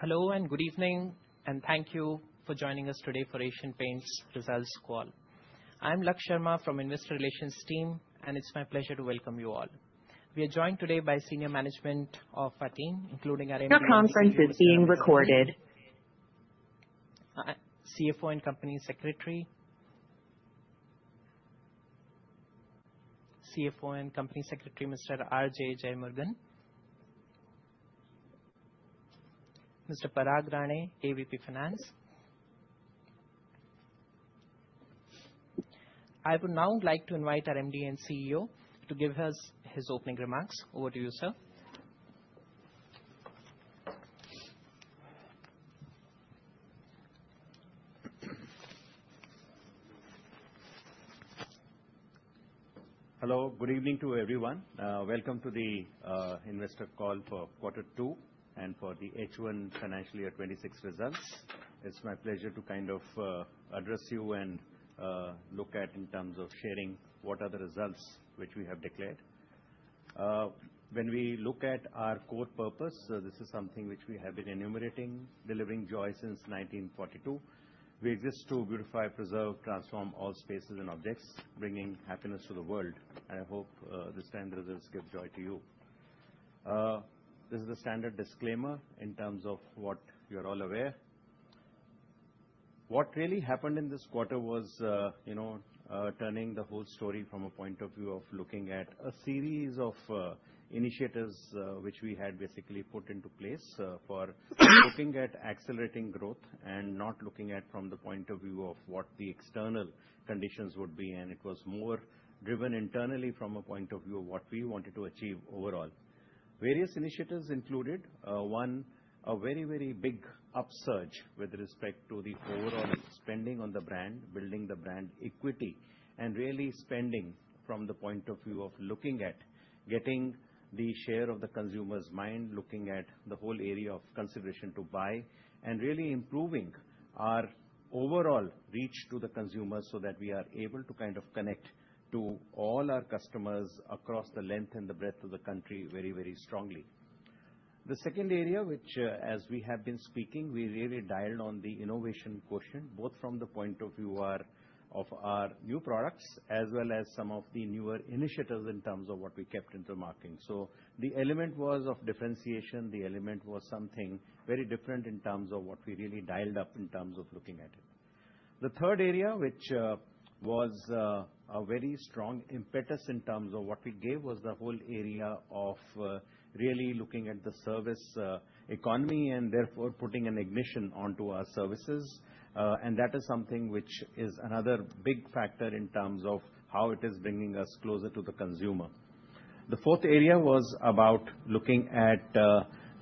Hello and good evening, and thank you for joining us today for Asian Paints Results Investor Relations team, and it's my pleasure to welcome you all. We are joined today by senior management of our team, including our..This conference is being recorded. CFO and Company Secretary, Mr. R.J. Jeyamurugan. Mr. Parag Rane, AVP Finance. I would now like to invite our MD and CEO to give us his opening remarks. Over to you, sir. Hello, good evening to everyone. Welcome to the Investor Call for Quarter Two and for the H1 Financial Year 24 results. It's my pleasure to kind of address you and look at in terms of sharing what are the results which we have declared. When we look at our core purpose, this is something which we have been enumerating, delivering joy since 1942. We exist to beautify, preserve, transform all spaces and objects, bringing happiness to the world. And I hope this time the results give joy to you. This is a standard disclaimer in terms of what you're all aware. What really happened in this quarter was turning the whole story from a point of view of looking at a series of initiatives which we had basically put into place for looking at accelerating growth and not looking at from the point of view of what the external conditions would be, and it was more driven internally from a point of view of what we wanted to achieve overall. Various initiatives included one, a very, very big upsurge with respect to the overall spending on the brand, building the brand equity, and really spending from the point of view of looking at getting the share of the consumer's mind, looking at the whole area of consideration to buy, and really improving our overall reach to the consumer so that we are able to kind of connect to all our customers across the length and the breadth of the country very, very strongly. The second area, which as we have been speaking, we really dialed on the innovation quotient, both from the point of view of our new products as well as some of the newer initiatives in terms of what we kept in the marketing. So the element was of differentiation. The element was something very different in terms of what we really dialed up in terms of looking at it. The third area, which was a very strong impetus in terms of what we gave, was the whole area of really looking at the service economy and therefore putting an ignition onto our services. And that is something which is another big factor in terms of how it is bringing us closer to the consumer. The fourth area was about looking at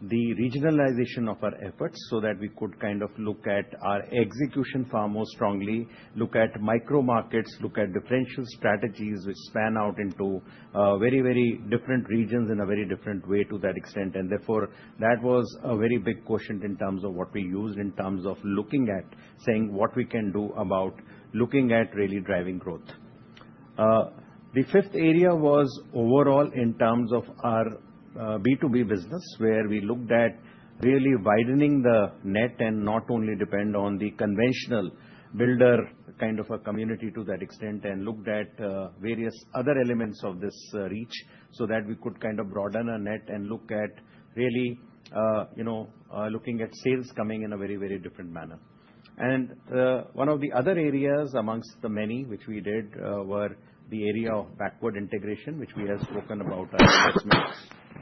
the regionalization of our efforts so that we could kind of look at our execution far more strongly, look at micro markets, look at differential strategies which span out into very, very different regions in a very different way to that extent. Therefore, that was a very big quotient in terms of what we used in terms of looking at saying what we can do about looking at really driving growth. The fifth area was overall in terms of our B2B business, where we looked at really widening the net and not only depend on the conventional builder kind of a community to that extent and looked at various other elements of this reach so that we could kind of broaden our net and look at really looking at sales coming in a very, very different manner. One of the other areas amongst the many which we did were the area of backward integration, which we have spoken about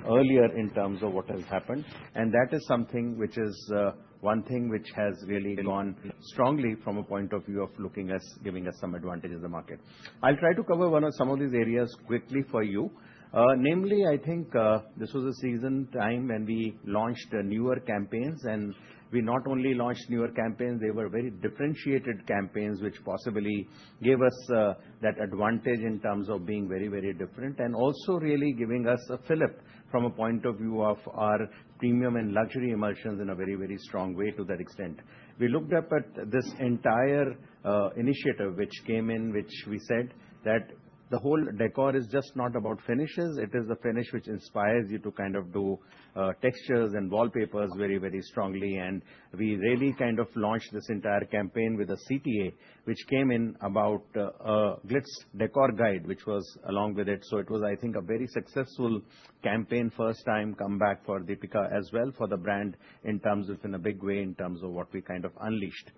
earlier in terms of what has happened. That is something which is one thing which has really gone strongly from a point of view of looking at giving us some advantage in the market. I'll try to cover some of these areas quickly for you. Namely, I think this was a season time when we launched newer campaigns. We not only launched newer campaigns, they were very differentiated campaigns which possibly gave us that advantage in terms of being very, very different and also really giving us a fillip from a point of view of our premium and luxury emulsions in a very, very strong way to that extent. We looked up at this entire initiative which came in, which we said that the whole decor is just not about finishes. It is a finish which inspires you to kind of do textures and wallpapers very, very strongly. We really kind of launched this entire campaign with a CTA which came in about a Glitz Decor Guide which was along with it. It was, I think, a very successful campaign first time comeback for Deepika as well for the brand in terms within a big way in terms of what we kind of unleashed.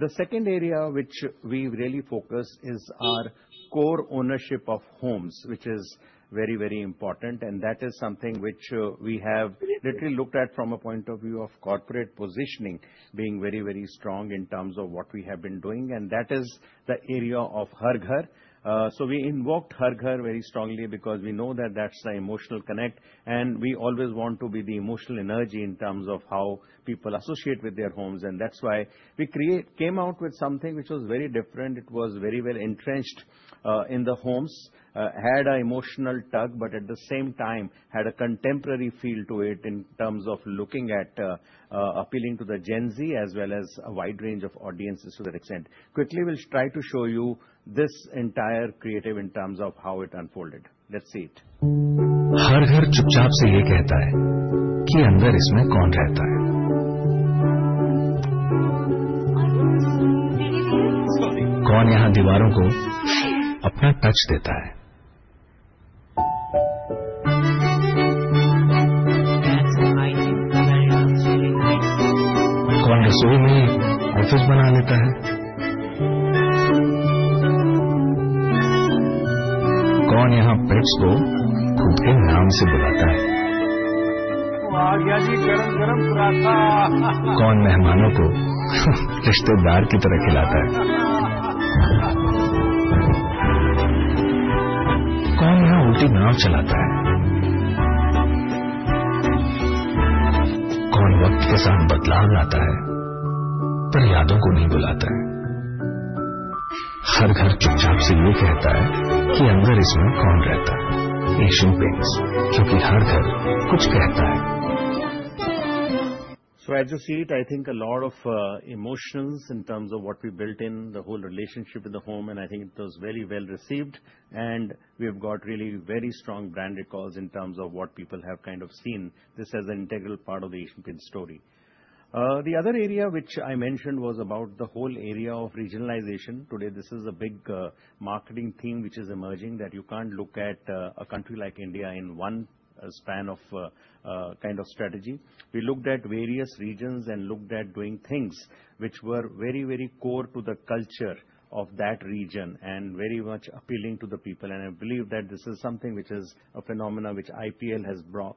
The second area which we really focus is our core ownership of homes, which is very, very important. That is something which we have literally looked at from a point of view of corporate positioning being very, very strong in terms of what we have been doing. That is the area of Har Ghar. We invoked Har Ghar very strongly because we know that that's the emotional connect. We always want to be the emotional energy in terms of how people associate with their homes. That's why we came out with something which was very different. It was very well entrenched in the homes, had an emotional tug, but at the same time had a contemporary feel to it in terms of looking at appealing to the Gen Z as well as a wide range of audiences to that extent. Quickly, we'll try to show you this entire creative in terms of how it unfolded. Let's see it. हर घर चुपचाप से यह कहता है कि अंदर इसमें कौन रहता है। कौन यहां दीवारों को अपना टच देता है। कौन रसोई में ऑफिस बना लेता है। कौन यहां पेट्स को खुद के नाम से बुलाता है। कौन मेहमानों को रिश्तेदार की तरह खिलाता है। कौन यहां उल्टी नाव चलाता है। कौन वक्त के साथ बदलाव लाता है, पर यादों को नहीं बुलाता है। हर घर चुपचाप से यह कहता है कि अंदर इसमें कौन रहता है। एशियन पेंट्स, क्योंकि हर घर कुछ कहता है। So, as you see it, I think a lot of emotions in terms of what we built in the whole relationship in the home. And I think it was very well received. And we have got really very strong brand recalls in terms of what people have kind of seen this as an integral part of the Asian Paints story. The other area which I mentioned was about the whole area of regionalization. Today, this is a big marketing theme which is emerging that you can't look at a country like India in one span of kind of strategy. We looked at various regions and looked at doing things which were very, very core to the culture of that region and very much appealing to the people. And I believe that this is something which is a phenomenon which IPL has brought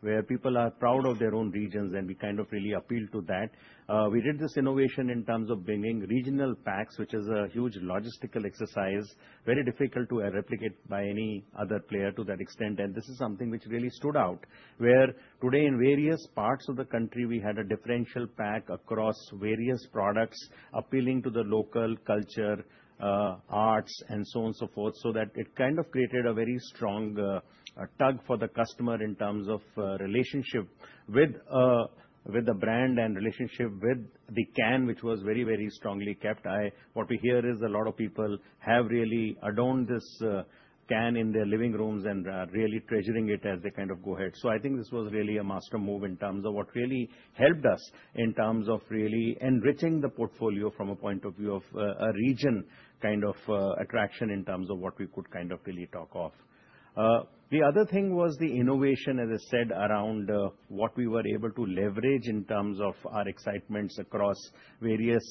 where people are proud of their own regions. And we kind of really appeal to that. We did this innovation in terms of bringing regional packs, which is a huge logistical exercise, very difficult to replicate by any other player to that extent. And this is something which really stood out where today in various parts of the country we had a differential pack across various products appealing to the local culture, arts, and so on and so forth so that it kind of created a very strong tug for the customer in terms of relationship with the brand and relationship with the can, which was very, very strongly kept. What we hear is a lot of people have really adorned this can in their living rooms and are really treasuring it as they kind of go ahead. So I think this was really a master move in terms of what really helped us in terms of really enriching the portfolio from a point of view of a region kind of attraction in terms of what we could kind of really talk off. The other thing was the innovation, as I said, around what we were able to leverage in terms of our excitements across various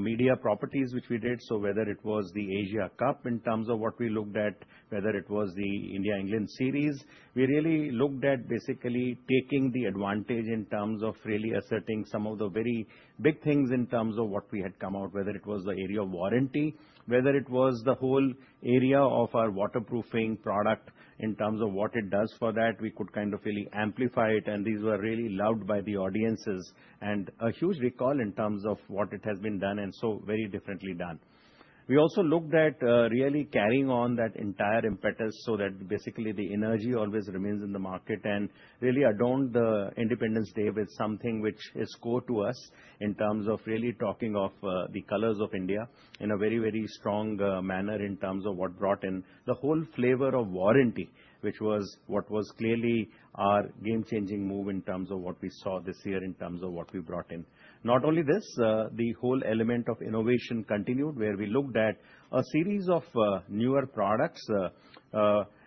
media properties which we did. So whether it was the Asia Cup in terms of what we looked at, whether it was the India-England series, we really looked at basically taking the advantage in terms of really asserting some of the very big things in terms of what we had come out, whether it was the area of warranty, whether it was the whole area of our waterproofing product in terms of what it does for that. We could kind of really amplify it. And these were really loved by the audiences and a huge recall in terms of what it has been done and so very differently done. We also looked at really carrying on that entire impetus so that basically the energy always remains in the market and really adorned the Independence Day with something which is core to us in terms of really talking of the colors of India in a very, very strong manner in terms of what brought in the whole flavor of warranty, which was what was clearly our game-changing move in terms of what we saw this year in terms of what we brought in. Not only this, the whole element of innovation continued where we looked at a series of newer products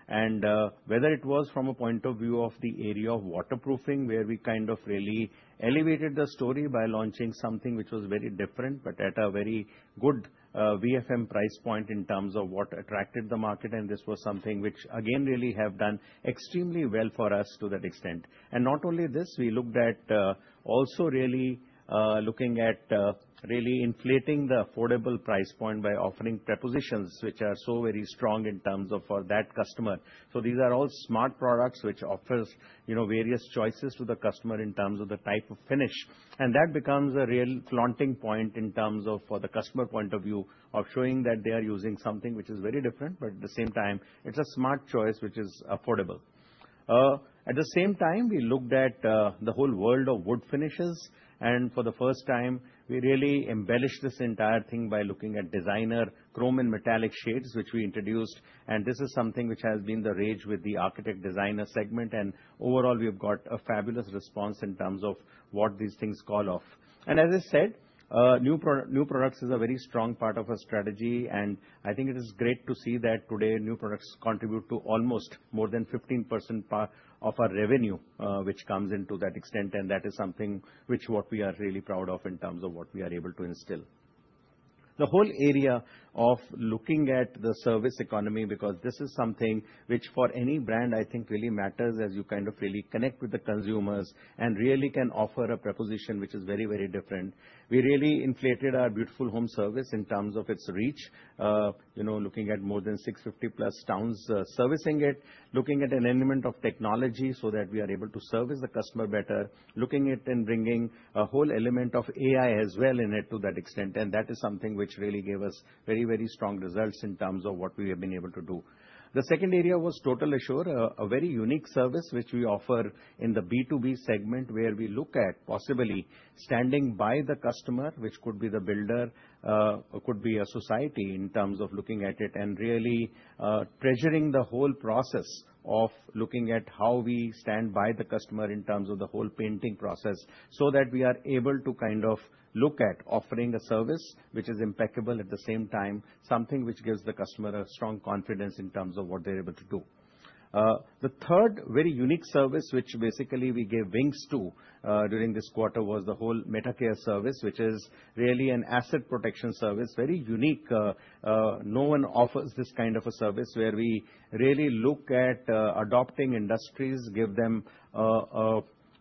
and whether it was from a point of view of the area of waterproofing where we kind of really elevated the story by launching something which was very different, but at a very good VFM price point in terms of what attracted the market, and this was something which again really have done extremely well for us to that extent, and not only this, we looked at also really looking at really inflating the affordable price point by offering propositions which are so very strong in terms of for that customer, so these are all smart products which offers various choices to the customer in terms of the type of finish. That becomes a real flaunting point in terms of for the customer point of view of showing that they are using something which is very different, but at the same time it's a smart choice which is affordable. At the same time, we looked at the whole world of wood finishes. For the first time, we really embellished this entire thing by looking at designer chrome and metallic shades which we introduced. This is something which has been the rage with the architect designer segment. Overall, we have got a fabulous response in terms of what these things call off. As I said, new products is a very strong part of our strategy. I think it is great to see that today new products contribute to almost more than 15% of our revenue which comes into that extent. That is something which we are really proud of in terms of what we are able to instill. The whole area of looking at the service economy because this is something which for any brand I think really matters as you kind of really connect with the consumers and really can offer a proposition which is very, very different. We really invested in our Beautiful Homes Service in terms of its reach, looking at more than 650 plus towns servicing it, looking at an element of technology so that we are able to service the customer better, looking at and bringing a whole element of AI as well in it to that extent. That is something which really gave us very, very strong results in terms of what we have been able to do. The second area was Total Assure, a very unique service which we offer in the B2B segment where we look at possibly standing by the customer, which could be the builder, could be a society in terms of looking at it and really treasuring the whole process of looking at how we stand by the customer in terms of the whole painting process so that we are able to kind of look at offering a service which is impeccable at the same time, something which gives the customer a strong confidence in terms of what they're able to do. The third very unique service which basically we gave wings to during this quarter was the whole MetaCare Service, which is really an asset protection service, very unique.No one offers this kind of a service where we really look at adopting industries, give them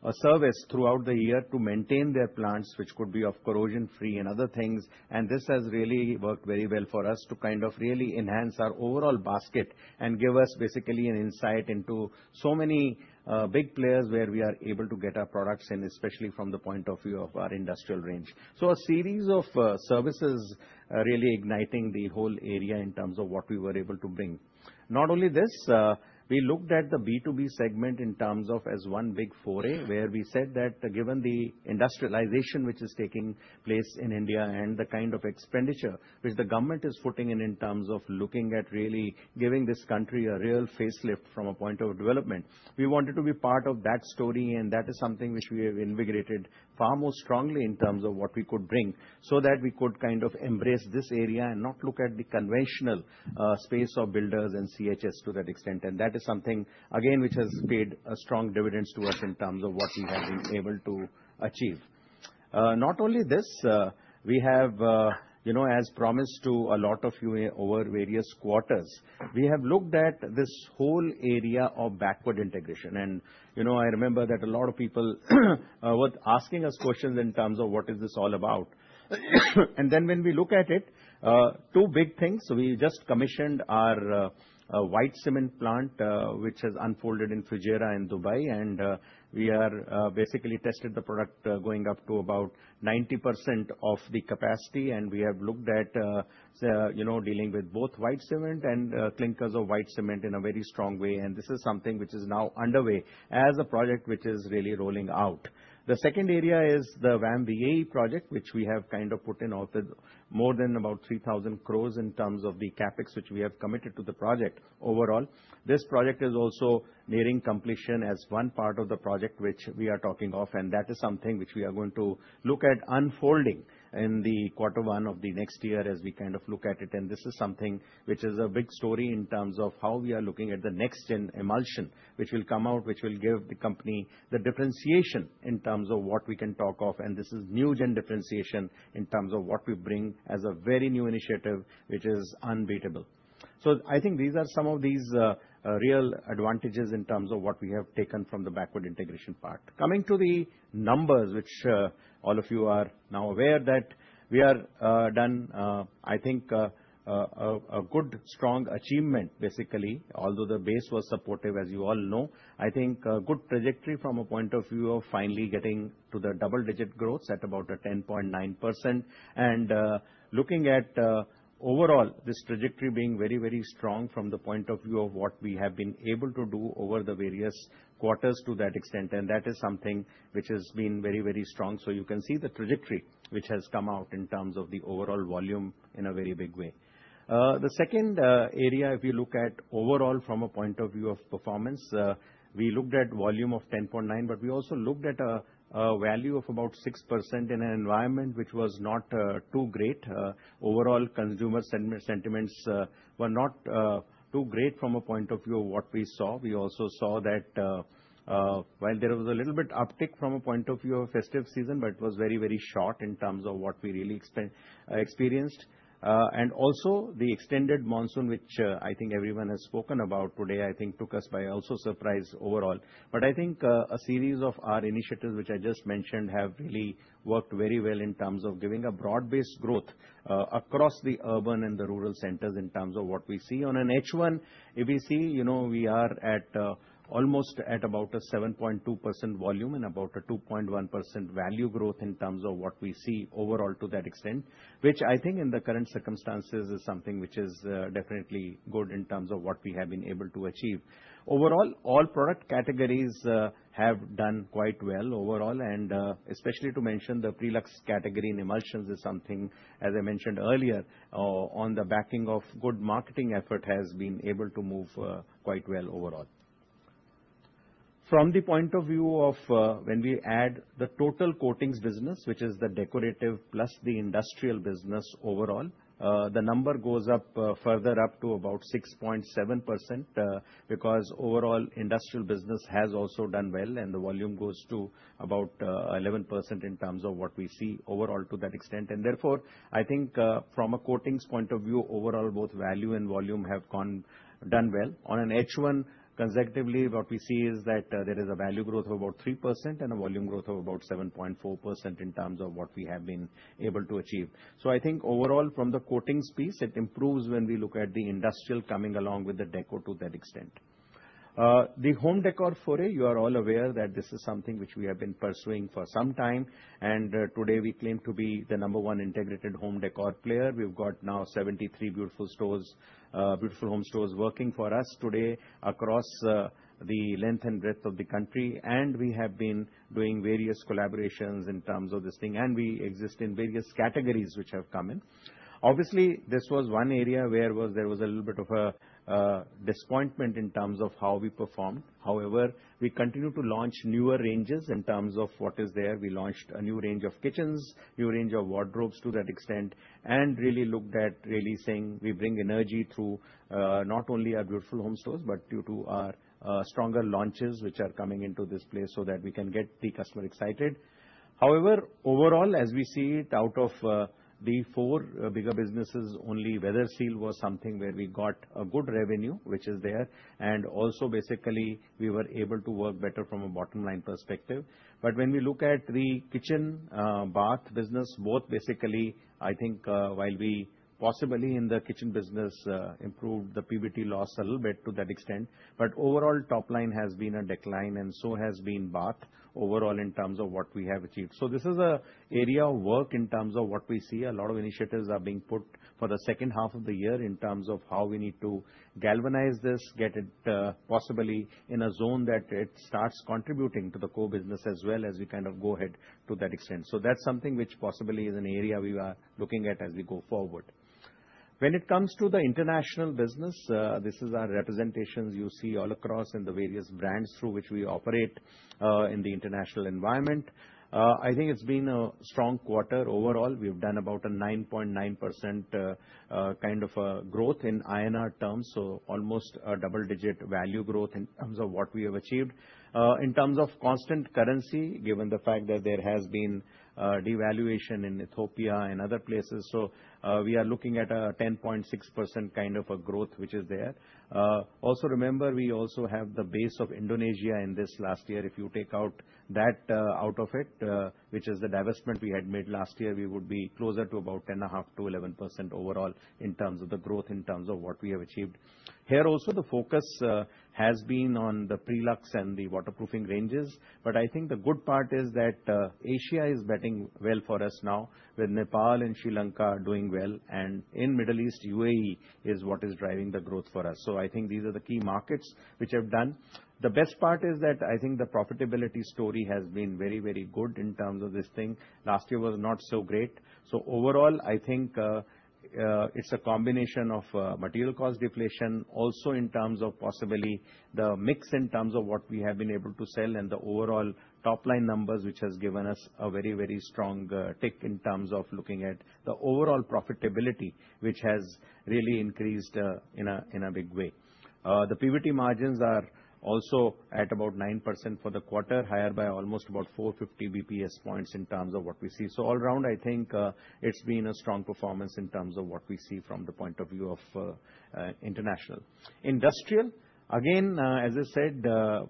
a service throughout the year to maintain their plants, which could be of corrosion-free and other things. And this has really worked very well for us to kind of really enhance our overall basket and give us basically an insight into so many big players where we are able to get our products in, especially from the point of view of our industrial range. So a series of services really igniting the whole area in terms of what we were able to bring. Not only this, we looked at the B2B segment in terms of as one big foray where we said that given the industrialization which is taking place in India and the kind of expenditure which the government is putting in in terms of looking at really giving this country a real facelift from a point of development, we wanted to be part of that story. And that is something which we have invigorated far more strongly in terms of what we could bring so that we could kind of embrace this area and not look at the conventional space of builders and CHS to that extent. And that is something again which has paid a strong dividends to us in terms of what we have been able to achieve. Not only this, we have, as promised to a lot of you over various quarters, we have looked at this whole area of backward integration, and I remember that a lot of people were asking us questions in terms of what is this all about, and then when we look at it, two big things, so we just commissioned our white cement plant, which has unfolded in Dubai. And we have basically tested the product going up to about 90% of the capacity. And we have looked at dealing with both white cement and clinkers of white cement in a very strong way. And this is something which is now underway as a project which is really rolling out. The second area is the VAM VAE project, which we have kind of put in more than about 3,000 Crores in terms of the CapEx which we have committed to the project overall. This project is also nearing completion as one part of the project which we are talking about. And that is something which we are going to look at unfolding in the quarter one of the next year as we kind of look at it. And this is something which is a big story in terms of how we are looking at the next gen emulsion, which will come out, which will give the company the differentiation in terms of what we can talk about. And this is new gen differentiation in terms of what we bring as a very new initiative, which is unbeatable. So I think these are some of these real advantages in terms of what we have taken from the backward integration part. Coming to the numbers, which all of you are now aware that we have done, I think, a good strong achievement basically, although the base was supportive as you all know. I think a good trajectory from a point of view of finally getting to the double-digit growth at about 10.9%. And looking at overall this trajectory being very, very strong from the point of view of what we have been able to do over the various quarters to that extent. And that is something which has been very, very strong. So you can see the trajectory which has come out in terms of the overall volume in a very big way. The second area, if you look at overall from a point of view of performance, we looked at volume of 10.9, but we also looked at a value of about 6% in an environment which was not too great. Overall consumer sentiments were not too great from a point of view of what we saw. We also saw that while there was a little bit uptick from a point of view of festive season, but it was very, very short in terms of what we really experienced, and also the extended monsoon, which I think everyone has spoken about today, I think took us by also surprise overall, but I think a series of our initiatives which I just mentioned have really worked very well in terms of giving a broad-based growth across the urban and the rural centers in terms of what we see. On an H1, if you see, we are almost at about a 7.2% volume and about a 2.1% value growth in terms of what we see overall to that extent, which I think in the current circumstances is something which is definitely good in terms of what we have been able to achieve. Overall, all product categories have done quite well overall. Especially to mention the premium/luxury category in emulsions is something, as I mentioned earlier, on the back of good marketing effort has been able to move quite well overall. From the point of view of when we add the total coatings business, which is the decorative plus the industrial business overall, the number goes up further up to about 6.7% because overall industrial business has also done well. The volume goes to about 11% in terms of what we see overall to that extent. And therefore, I think from a coatings point of view, overall both value and volume have done well. On an H1, consecutively, what we see is that there is a value growth of about 3% and a volume growth of about 7.4% in terms of what we have been able to achieve. So I think overall from the coatings piece, it improves when we look at the industrial coming along with the deco to that extent. The home decor foray, you are all aware that this is something which we have been pursuing for some time. And today we claim to be the number one integrated home decor player. We've got now 73 Beautiful Homes Stores working for us today across the length and breadth of the country. And we have been doing various collaborations in terms of this thing. And we exist in various categories which have come in. Obviously, this was one area where there was a little bit of a disappointment in terms of how we performed. However, we continue to launch newer ranges in terms of what is there. We launched a new range of kitchens, new range of wardrobes to that extent, and really looked at saying we bring energy through not only our Beautiful Homes Stores, but due to our stronger launches which are coming into this place so that we can get the customer excited. However, overall, as we see it out of the four bigger businesses, only Weatherseal was something where we got a good revenue, which is there, and also basically we were able to work better from a bottom-line perspective. But when we look at the kitchen bath business, both basically, I think while we possibly in the kitchen business improved the PBT loss a little bit to that extent, but overall top line has been a decline and so has been bath overall in terms of what we have achieved, so this is an area of work in terms of what we see. A lot of initiatives are being put for the second half of the year in terms of how we need to galvanize this, get it possibly in a zone that it starts contributing to the core business as well as we kind of go ahead to that extent, so that's something which possibly is an area we are looking at as we go forward. When it comes to the international business, this is our representations you see all across in the various brands through which we operate in the international environment. I think it's been a strong quarter overall. We've done about a 9.9% kind of growth in INR terms, so almost a double-digit value growth in terms of what we have achieved. In terms of constant currency, given the fact that there has been devaluation in Ethiopia and other places, so we are looking at a 10.6% kind of a growth which is there. Also remember, we also have the base of Indonesia in this last year. If you take that out of it, which is the divestment we had made last year, we would be closer to about 10.5%-11% overall in terms of the growth in terms of what we have achieved. Here also, the focus has been on the premium/luxury and the waterproofing ranges, but I think the good part is that Asia is doing well for us now with Nepal and Sri Lanka doing well, and in Middle East, UAE is what is driving the growth for us, so I think these are the key markets which have done. The best part is that I think the profitability story has been very, very good in terms of this thing. Last year was not so great, so overall, I think it's a combination of material cost deflation, also in terms of possibly the mix in terms of what we have been able to sell and the overall top-line numbers, which has given us a very, very strong kick in terms of looking at the overall profitability, which has really increased in a big way. The PBT margins are also at about nine% for the quarter, higher by almost about 450 basis points in terms of what we see. So all around, I think it's been a strong performance in terms of what we see from the point of view of international. Industrial, again, as I said,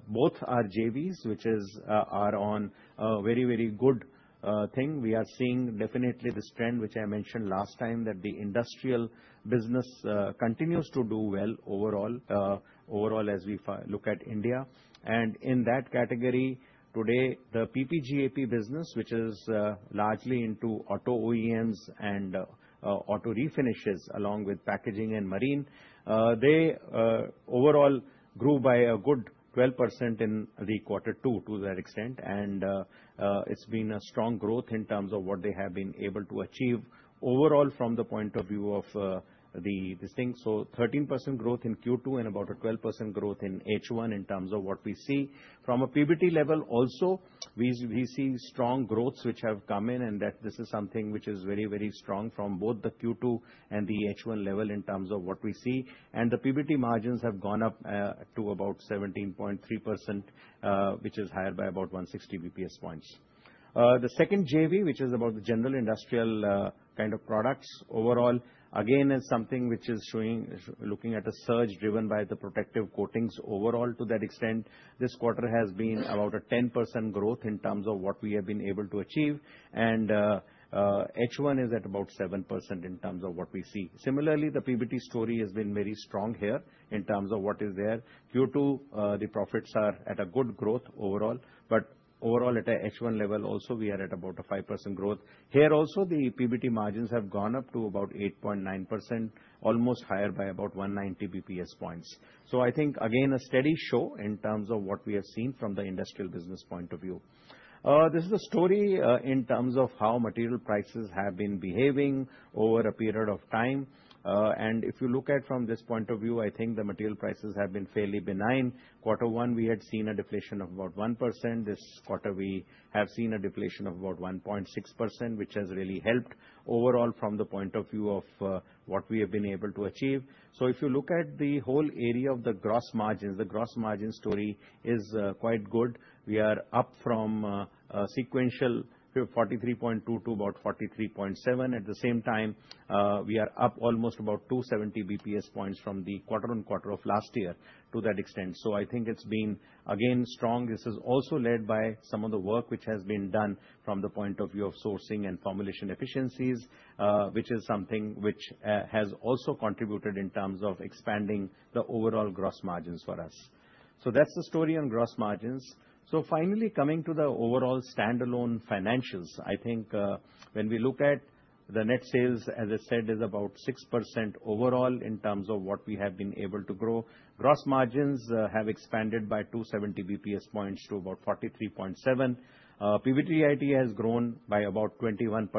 both our JVs, which are on a very, very good thing. We are seeing definitely this trend, which I mentioned last time, that the industrial business continues to do well overall as we look at India. And in that category today, the PPG Asian Paints business, which is largely into auto OEMs and auto refinishes along with packaging and marine, they overall grew by a good 12% in the quarter two to that extent. And it's been a strong growth in terms of what they have been able to achieve overall from the point of view of the thing.13% growth in Q2 and about a 12% growth in H1 in terms of what we see. From a PBT level also, we see strong growths which have come in and that this is something which is very, very strong from both the Q2 and the H1 level in terms of what we see. The PBT margins have gone up to about 17.3%, which is higher by about 160 basis points. The second JV, which is about the general industrial kind of products overall, again, is something which is looking at a surge driven by the protective coatings overall to that extent. This quarter has been about a 10% growth in terms of what we have been able to achieve. H1 is at about 7% in terms of what we see. Similarly, the PBT story has been very strong here in terms of what is there. Q2, the profits are at a good growth overall. But overall, at an H1 level also, we are at about a 5% growth. Here also, the PBT margins have gone up to about 8.9%, almost higher by about 190 basis points. So I think, again, a steady show in terms of what we have seen from the industrial business point of view. This is a story in terms of how material prices have been behaving over a period of time. And if you look at from this point of view, I think the material prices have been fairly benign. Quarter one, we had seen a deflation of about 1%. This quarter, we have seen a deflation of about 1.6%, which has really helped overall from the point of view of what we have been able to achieve. So if you look at the whole area of the gross margins, the gross margin story is quite good. We are up from sequential 43.2% to about 43.7%. At the same time, we are up almost about 270 basis points from the quarter on quarter of last year to that extent. So I think it's been, again, strong. This is also led by some of the work which has been done from the point of view of sourcing and formulation efficiencies, which is something which has also contributed in terms of expanding the overall gross margins for us. So that's the story on gross margins. So finally, coming to the overall standalone financials, I think when we look at the net sales, as I said, is about 6% overall in terms of what we have been able to grow. Gross margins have expanded by 270 basis points to about 43.7%. PBDIT has grown by about 21%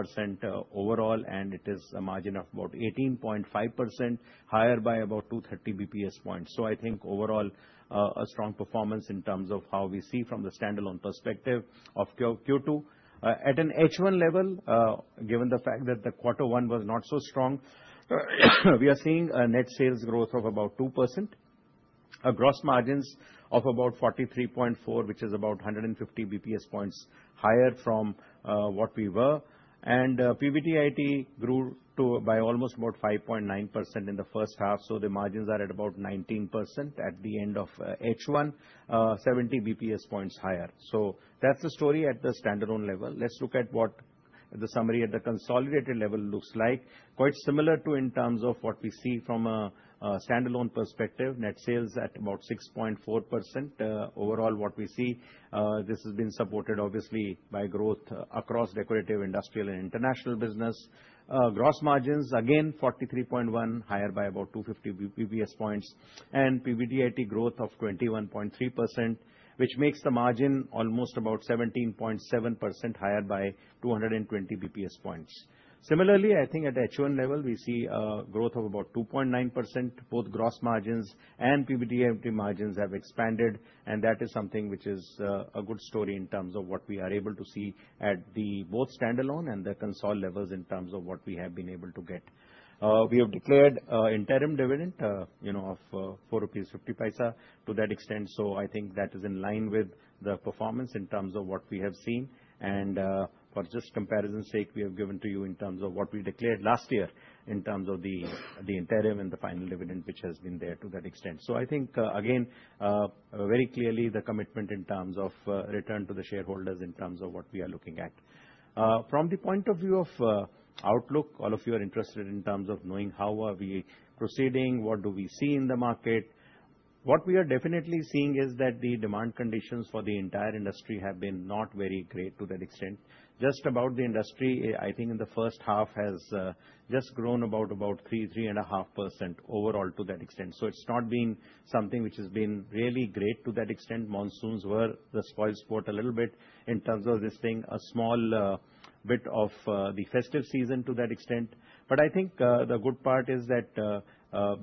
overall, and it is a margin of about 18.5%, higher by about 230 basis points. So I think overall, a strong performance in terms of how we see from the standalone perspective of Q2. At an H1 level, given the fact that the quarter one was not so strong, we are seeing a net sales growth of about 2%, gross margins of about 43.4%, which is about 150 basis points higher from what we were, and PBDIT grew by almost about 5.9% in the first half. So the margins are at about 19% at the end of H1, 70 basis points higher. So that's the story at the standalone level. Let's look at what the summary at the consolidated level looks like. Quite similar to in terms of what we see from a standalone perspective, net sales at about 6.4% overall what we see. This has been supported obviously by growth across decorative industrial and international business. Gross margins, again, 43.1%, higher by about 250 basis points. And PBDIT growth of 21.3%, which makes the margin almost about 17.7% higher by 220 basis points. Similarly, I think at H1 level, we see a growth of about 2.9%. Both gross margins and PBDIT margins have expanded. And that is something which is a good story in terms of what we are able to see at the both standalone and the consolidated levels in terms of what we have been able to get. We have declared interim dividend of ₹4.50 to that extent. I think that is in line with the performance in terms of what we have seen. For just comparison's sake, we have given to you in terms of what we declared last year in terms of the interim and the final dividend, which has been there to that extent. I think, again, very clearly the commitment in terms of return to the shareholders in terms of what we are looking at. From the point of view of outlook, all of you are interested in terms of knowing how are we proceeding, what do we see in the market. What we are definitely seeing is that the demand conditions for the entire industry have been not very great to that extent. Just about the industry, I think in the first half has just grown about 3-3.5% overall to that extent. It's not being something which has been really great to that extent. Monsoons were the spoilsport a little bit in terms of this thing, a small bit of the festive season to that extent. But I think the good part is that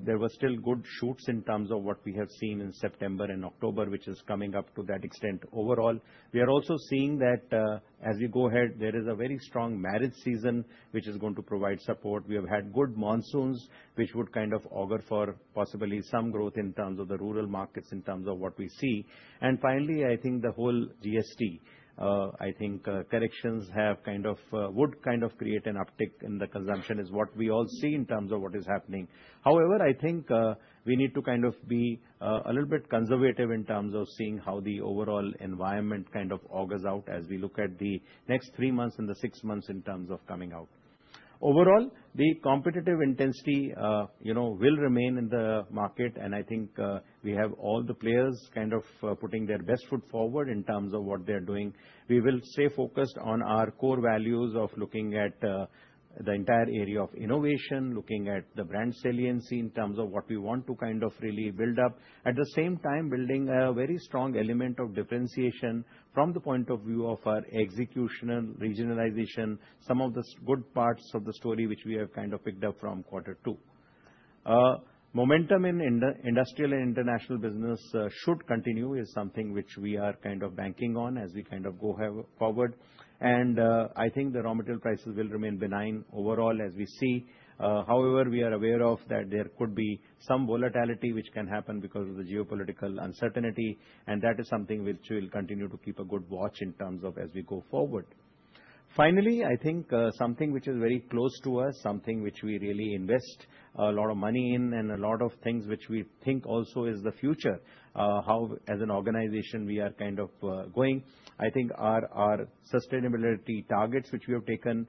there were still good shoots in terms of what we have seen in September and October, which is coming up to that extent overall. We are also seeing that as we go ahead, there is a very strong marriage season which is going to provide support. We have had good monsoons which would kind of augur for possibly some growth in terms of the rural markets in terms of what we see. Finally, I think the whole GST, I think corrections have kind of would create an uptick in the consumption is what we all see in terms of what is happening. However, I think we need to kind of be a little bit conservative in terms of seeing how the overall environment kind of augurs out as we look at the next three months and the six months in terms of coming out. Overall, the competitive intensity will remain in the market. And I think we have all the players kind of putting their best foot forward in terms of what they are doing. We will stay focused on our core values of looking at the entire area of innovation, looking at the brand saliency in terms of what we want to kind of really build up. At the same time, building a very strong element of differentiation from the point of view of our executional regionalization, some of the good parts of the story which we have kind of picked up from quarter two. Momentum in industrial and international business should continue, is something which we are kind of banking on as we kind of go forward. And I think the raw material prices will remain benign overall as we see. However, we are aware of that there could be some volatility which can happen because of the geopolitical uncertainty. And that is something which we'll continue to keep a good watch in terms of as we go forward. Finally, I think something which is very close to us, something which we really invest a lot of money in and a lot of things which we think also is the future, how as an organization we are kind of going, I think are our sustainability targets which we have taken.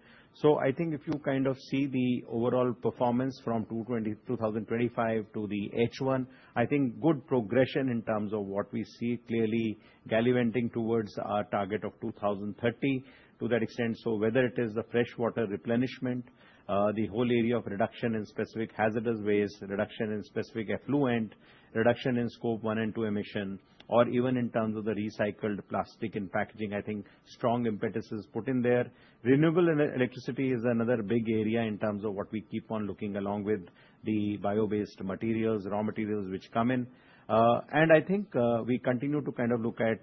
I think if you kind of see the overall performance from 2025 to the H1, I think good progression in terms of what we see clearly galloping towards our target of 2030 to that extent. So whether it is the freshwater replenishment, the whole area of reduction in specific hazardous waste, reduction in specific effluent, reduction in Scope 1 and 2 emissions, or even in terms of the recycled plastic in packaging, I think strong impetus is put in there. Renewable electricity is another big area in terms of what we keep on looking along with the bio-based materials, raw materials which come in. I think we continue to kind of look at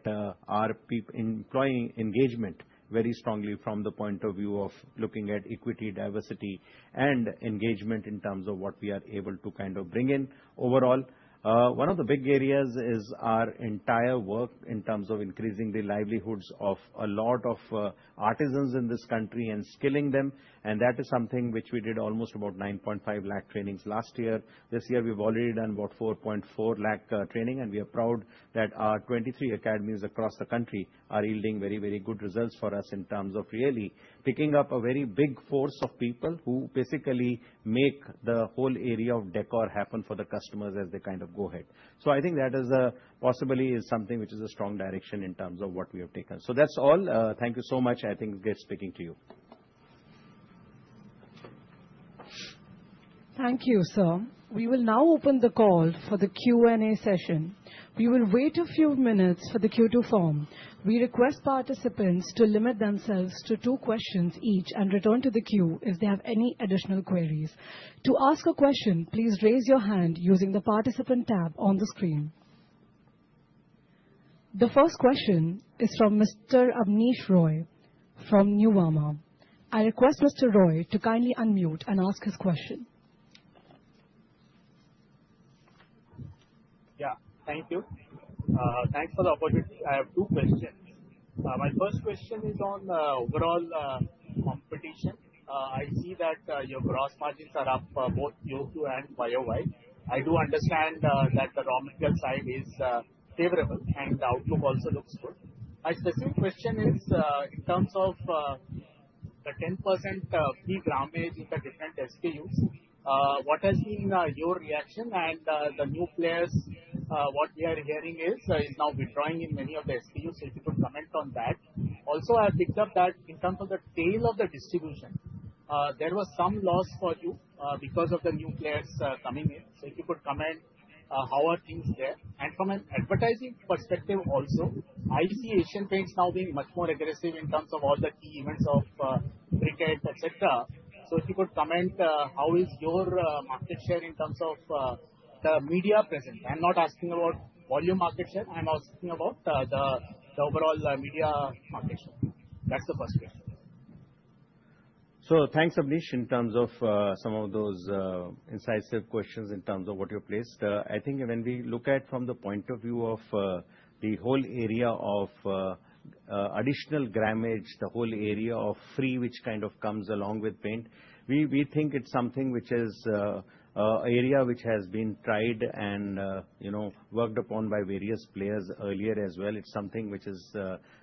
our employee engagement very strongly from the point of view of looking at equity, diversity, and engagement in terms of what we are able to kind of bring in overall. One of the big areas is our entire work in terms of increasing the livelihoods of a lot of artisans in this country and skilling them. And that is something which we did almost about 9.5 lakh trainings last year. This year, we've already done about 4.4 lakh training. And we are proud that our 23 academies across the country are yielding very, very good results for us in terms of really picking up a very big force of people who basically make the whole area of decor happen for the customers as they kind of go ahead. So I think that is possibly something which is a strong direction in terms of what we have taken. So that's all. Thank you so much. I think it's great speaking to you. Thank you, sir. We will now open the call for the Q&A session. We will wait a few minutes for the Q2 FY24. We request participants to limit themselves to two questions each and return to the queue if they have any additional queries. To ask a question, please raise your hand using the participant tab on the screen. The first question is from Mr. Abneesh Roy from Nuvama. I request Mr. Roy to kindly unmute and ask his question. Yeah, thank you. Thanks for the opportunity. I have two questions. My first question is on overall competition. I see that your gross margins are up both Q2 and YOY. I do understand that the raw material side is favorable and the outlook also looks good. My specific question is in terms of the 10% free grammage in the different SKUs, what has been your reaction? And the new players, what we are hearing is now withdrawing in many of the SKUs. So if you could comment on that. Also, I picked up that in terms of the tail of the distribution, there was some loss for you because of the new players coming in. So if you could comment on how are things there? And from an advertising perspective also, I see Asian Paints now being much more aggressive in terms of all the key events of cricket, etc. So if you could comment on how is your market share in terms of the media presence? I'm not asking about volume market share. I'm asking about the overall media market share. That's the first question. So thanks, Abneesh, in terms of some of those incisive questions in terms of what you placed.I think when we look at from the point of view of the whole area of additional grammage, the whole area of free, which kind of comes along with paint, we think it's something which is an area which has been tried and worked upon by various players earlier as well. It's something which is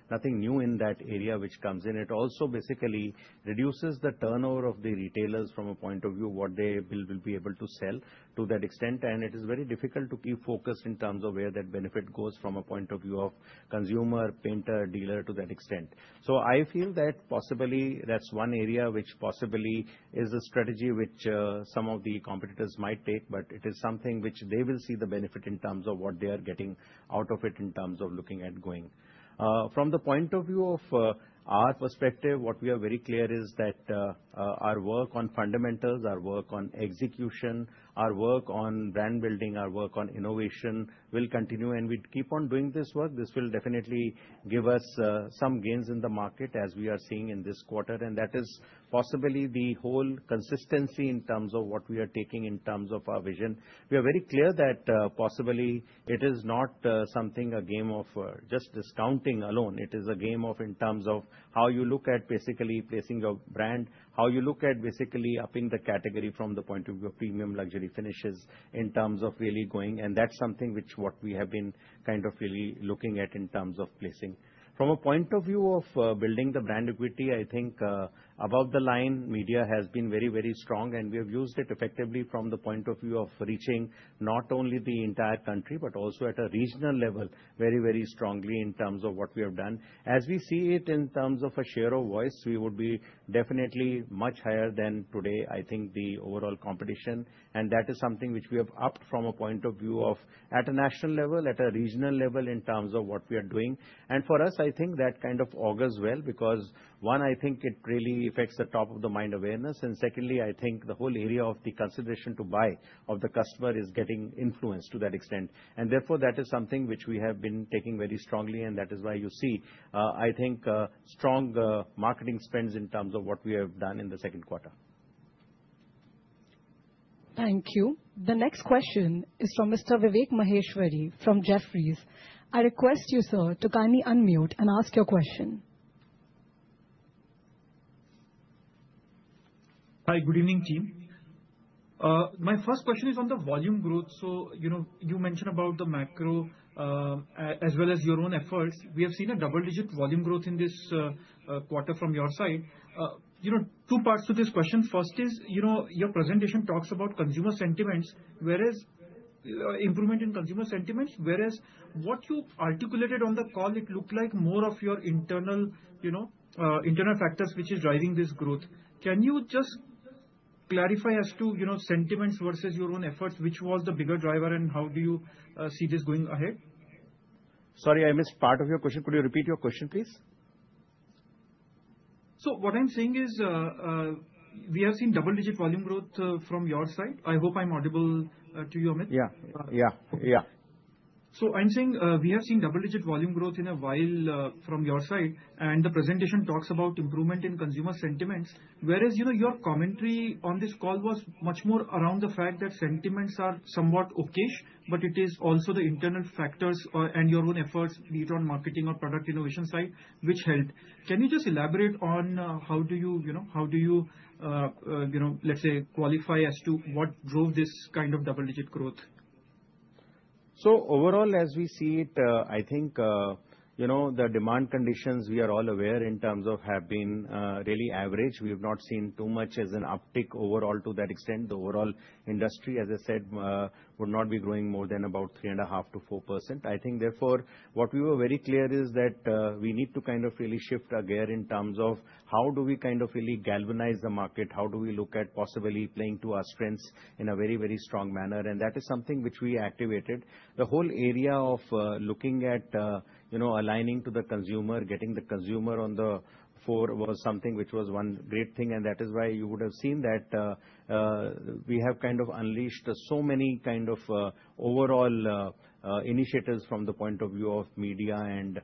nothing new in that area which comes in. It also basically reduces the turnover of the retailers from a point of view what they will be able to sell to that extent, and it is very difficult to keep focused in terms of where that benefit goes from a point of view of consumer, painter, dealer to that extent. So I feel that possibly that's one area which possibly is a strategy which some of the competitors might take, but it is something which they will see the benefit in terms of what they are getting out of it in terms of looking at going. From the point of view of our perspective, what we are very clear is that our work on fundamentals, our work on execution, our work on brand building, our work on innovation will continue. And we keep on doing this work. This will definitely give us some gains in the market as we are seeing in this quarter. And that is possibly the whole consistency in terms of what we are taking in terms of our vision. We are very clear that possibly it is not something a game of just discounting alone.It is a game of in terms of how you look at basically placing your brand, how you look at basically upping the category from the point of view of premium luxury finishes in terms of really going. And that's something which what we have been kind of really looking at in terms of placing. From a point of view of building the brand equity, I think above the line, media has been very, very strong. And we have used it effectively from the point of view of reaching not only the entire country, but also at a regional level very, very strongly in terms of what we have done. As we see it in terms of a share of voice, we would be definitely much higher than today, I think the overall competition. And that is something which we have upped from a point of view of at a national level, at a regional level in terms of what we are doing. And for us, I think that kind of augurs well because one, I think it really affects the top of the mind awareness. And secondly, I think the whole area of the consideration to buy of the customer is getting influenced to that extent. And therefore, that is something which we have been taking very strongly. And that is why you see, I think, strong marketing spends in terms of what we have done in the Q2. Thank you. The next question is from Mr. Vivek Maheshwari from Jefferies. I request you, sir, to kindly unmute and ask your question. Hi, good evening, team. My first question is on the volume growth. So you mentioned about the macro as well as your own efforts. We have seen a double-digit volume growth in this quarter from your side. Two parts to this question. First is your presentation talks about consumer sentiments, whereas improvement in consumer sentiments, whereas what you articulated on the call, it looked like more of your internal factors which is driving this growth. Can you just clarify as to sentiments versus your own efforts, which was the bigger driver, and how do you see this going ahead? Sorry, I missed part of your question. Could you repeat your question, please? So what I'm saying is we have seen double-digit volume growth from your side. I hope I'm audible to you, Amit. Yeah, yeah, yeah. So I'm saying we have seen double-digit volume growth in a while from your side. And the presentation talks about improvement in consumer sentiments, whereas your commentary on this call was much more around the fact that sentiments are somewhat okay, but it is also the internal factors and your own efforts be it on marketing or product innovation side which helped. Can you just elaborate on how do you, let's say, qualify as to what drove this kind of double-digit growth? So overall, as we see it, I think the demand conditions we are all aware in terms of have been really average. We have not seen too much as an uptick overall to that extent. The overall industry, as I said, would not be growing more than about 3.5%-4%. I think, therefore, what we were very clear is that we need to kind of really shift a gear in terms of how do we kind of really galvanize the market, how do we look at possibly playing to our strengths in a very, very strong manner. And that is something which we activated. The whole area of looking at aligning to the consumer, getting the consumer on the fore was something which was one great thing. And that is why you would have seen that we have kind of unleashed so many kind of overall initiatives from the point of view of media and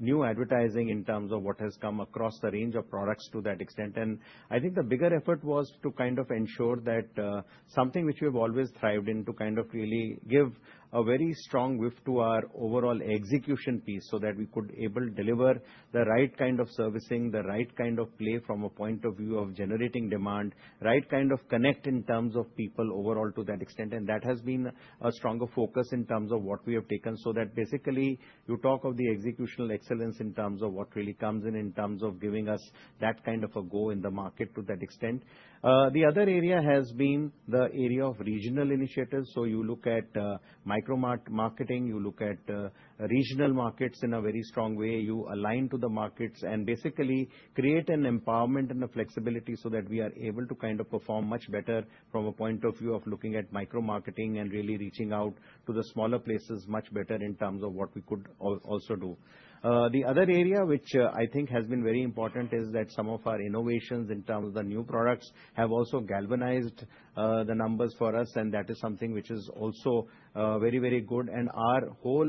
new advertising in terms of what has come across the range of products to that extent. And I think the bigger effort was to kind of ensure that something which we have always thrived in to kind of really give a very strong whiff to our overall execution piece so that we could able deliver the right kind of servicing, the right kind of play from a point of view of generating demand, right kind of connect in terms of people overall to that extent. And that has been a stronger focus in terms of what we have taken. So that basically you talk of the executional excellence in terms of what really comes in in terms of giving us that kind of a go in the market to that extent. The other area has been the area of regional initiatives. So you look at micro marketing, you look at regional markets in a very strong way, you align to the markets and basically create an empowerment and a flexibility so that we are able to kind of perform much better from a point of view of looking at micro marketing and really reaching out to the smaller places much better in terms of what we could also do. The other area which I think has been very important is that some of our innovations in terms of the new products have also galvanized the numbers for us. And that is something which is also very, very good. And our whole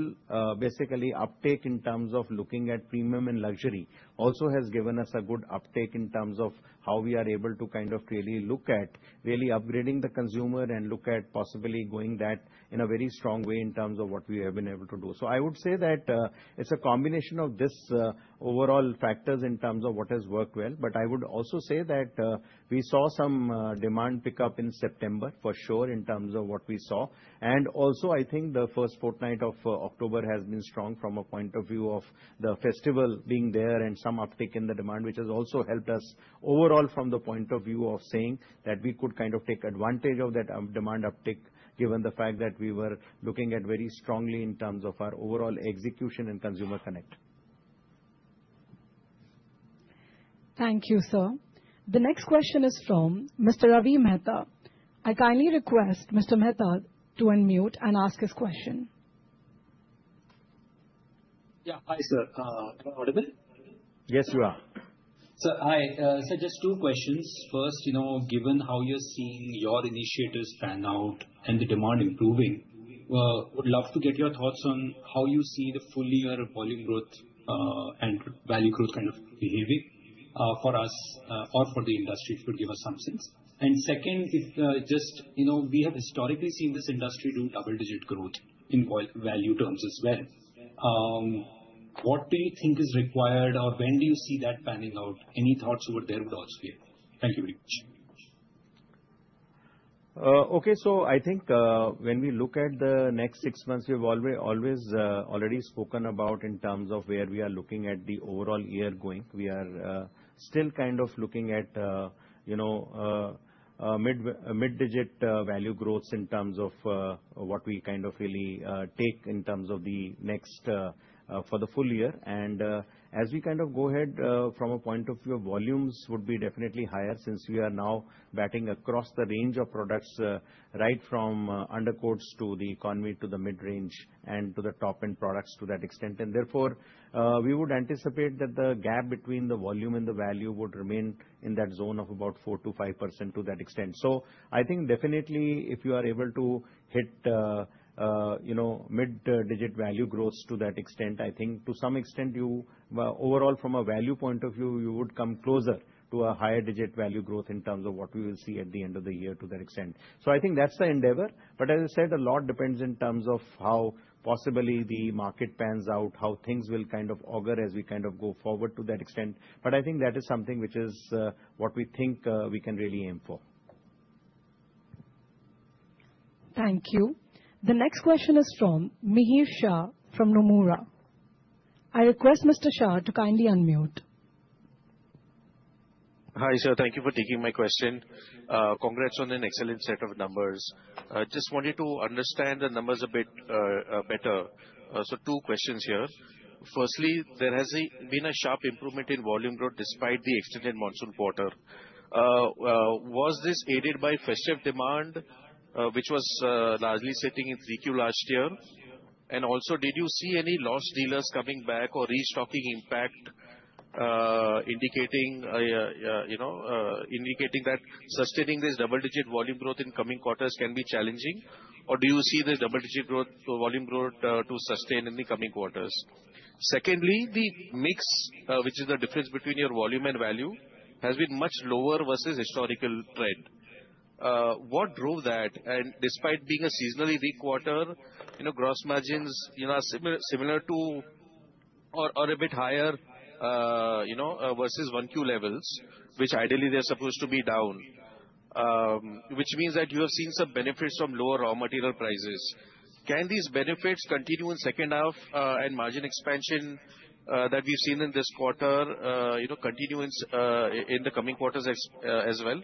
basically uptake in terms of looking at premium and luxury also has given us a good uptake in terms of how we are able to kind of really look at really upgrading the consumer and look at possibly going that in a very strong way in terms of what we have been able to do. So I would say that it's a combination of these overall factors in terms of what has worked well. But I would also say that we saw some demand pickup in September for sure in terms of what we saw. And also I think the first fortnight of October has been strong from a point of view of the festival being there and some uptake in the demand, which has also helped us overall from the point of view of saying that we could kind of take advantage of that demand uptake given the fact that we were looking at very strongly in terms of our overall execution and consumer connect. Thank you, sir. The next question is from Mr. Ravi Mehta. I kindly request Mr. Mehta to unmute and ask his question. Yeah, hi, sir. Yes, you are. Sir, hi. So just two questions. First, given how you're seeing your initiatives pan out and the demand improving, would love to get your thoughts on how you see the full year volume growth and value growth kind of behaving for FY or for the industry to give us some sense. And second, just we have historically seen this industry do double-digit growth in value terms as well. What do you think is required or when do you see that panning out? Any thoughts over there would also be helpful. Thank you very much. Okay, so I think when we look at the next six months, we have always already spoken about in terms of where we are looking at the overall year going. We are still kind of looking at mid-digit value growths in terms of what we kind of really take in terms of the next for the full year. And as we kind of go ahead from a point of view of volumes would be definitely higher since we are now batting across the range of products right from undercoats to the economy to the mid-range and to the top-end products to that extent. And therefore, we would anticipate that the gap between the volume and the value would remain in that zone of about 4%-5% to that extent. So I think definitely if you are able to hit mid-digit value growths to that extent, I think to some extent you overall from a value point of view, you would come closer to a higher digit value growth in terms of what we will see at the end of the year to that extent. So I think that's the endeavor. But as I said, a lot depends in terms of how possibly the market pans out, how things will kind of augur as we kind of go forward to that extent. But I think that is something which is what we think we can really aim for. Thank you. The next question is from Mihir Shah from Nomura. I request Mr. Shah to kindly unmute. Hi, sir. Thank you for taking my question. Congrats on an excellent set of numbers. Just wanted to understand the numbers a bit better. So two questions here. Firstly, there has been a sharp improvement in volume growth despite the extended monsoon quarter. Was this aided by festive demand, which was largely sitting in Q3 last year? And also, did you see any lost dealers coming back or restocking impact indicating that sustaining this double-digit volume growth in coming quarters can be challenging? Or do you see the double-digit volume growth to sustain in the coming quarters? Secondly, the mix, which is the difference between your volume and value, has been much lower versus historical trend. What drove that? And despite being a seasonally weak quarter, gross margins are similar to or a bit higher versus Q1 levels, which ideally they're supposed to be down, which means that you have seen some benefits from lower raw material prices. Can these benefits continue in second half and margin expansion that we've seen in this quarter continue in the coming quarters as well?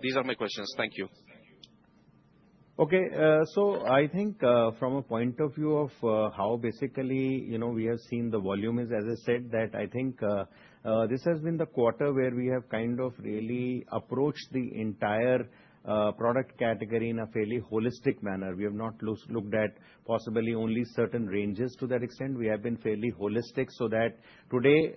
These are my questions. Thank you. Okay, so I think from a point of view of how basically we have seen the volume is, as I said, that I think this has been the quarter where we have kind of really approached the entire product category in a fairly holistic manner. We have not looked at possibly only certain ranges to that extent. We have been fairly holistic so that today,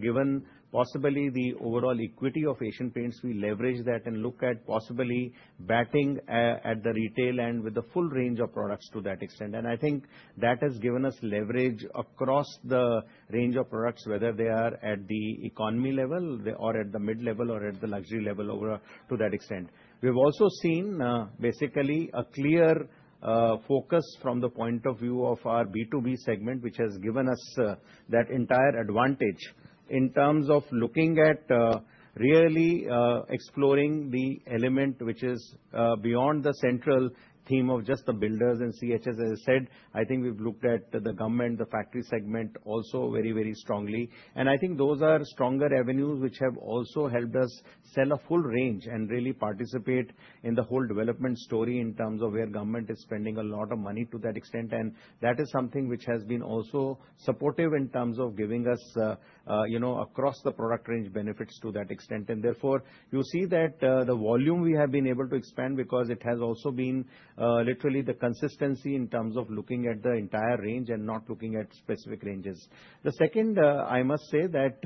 given possibly the overall equity of Asian Paints, we leverage that and look at possibly painting the retail end with the full range of products to that extent. And I think that has given us leverage across the range of products, whether they are at the economy level or at the mid-level or at the luxury level to that extent. We have also seen basically a clear focus from the point of view of our B2B segment, which has given us that entire advantage in terms of looking at really exploring the element which is beyond the central theme of just the builders and CHS. As I said, I think we've looked at the government, the factory segment also very, very strongly. I think those are stronger avenues which have also helped us sell a full range and really participate in the whole development story in terms of where government is spending a lot of money to that extent. That is something which has been also supportive in terms of giving us across the product range benefits to that extent. Therefore, you see that the volume we have been able to expand because it has also been literally the consistency in terms of looking at the entire range and not looking at specific ranges. The second, I must say that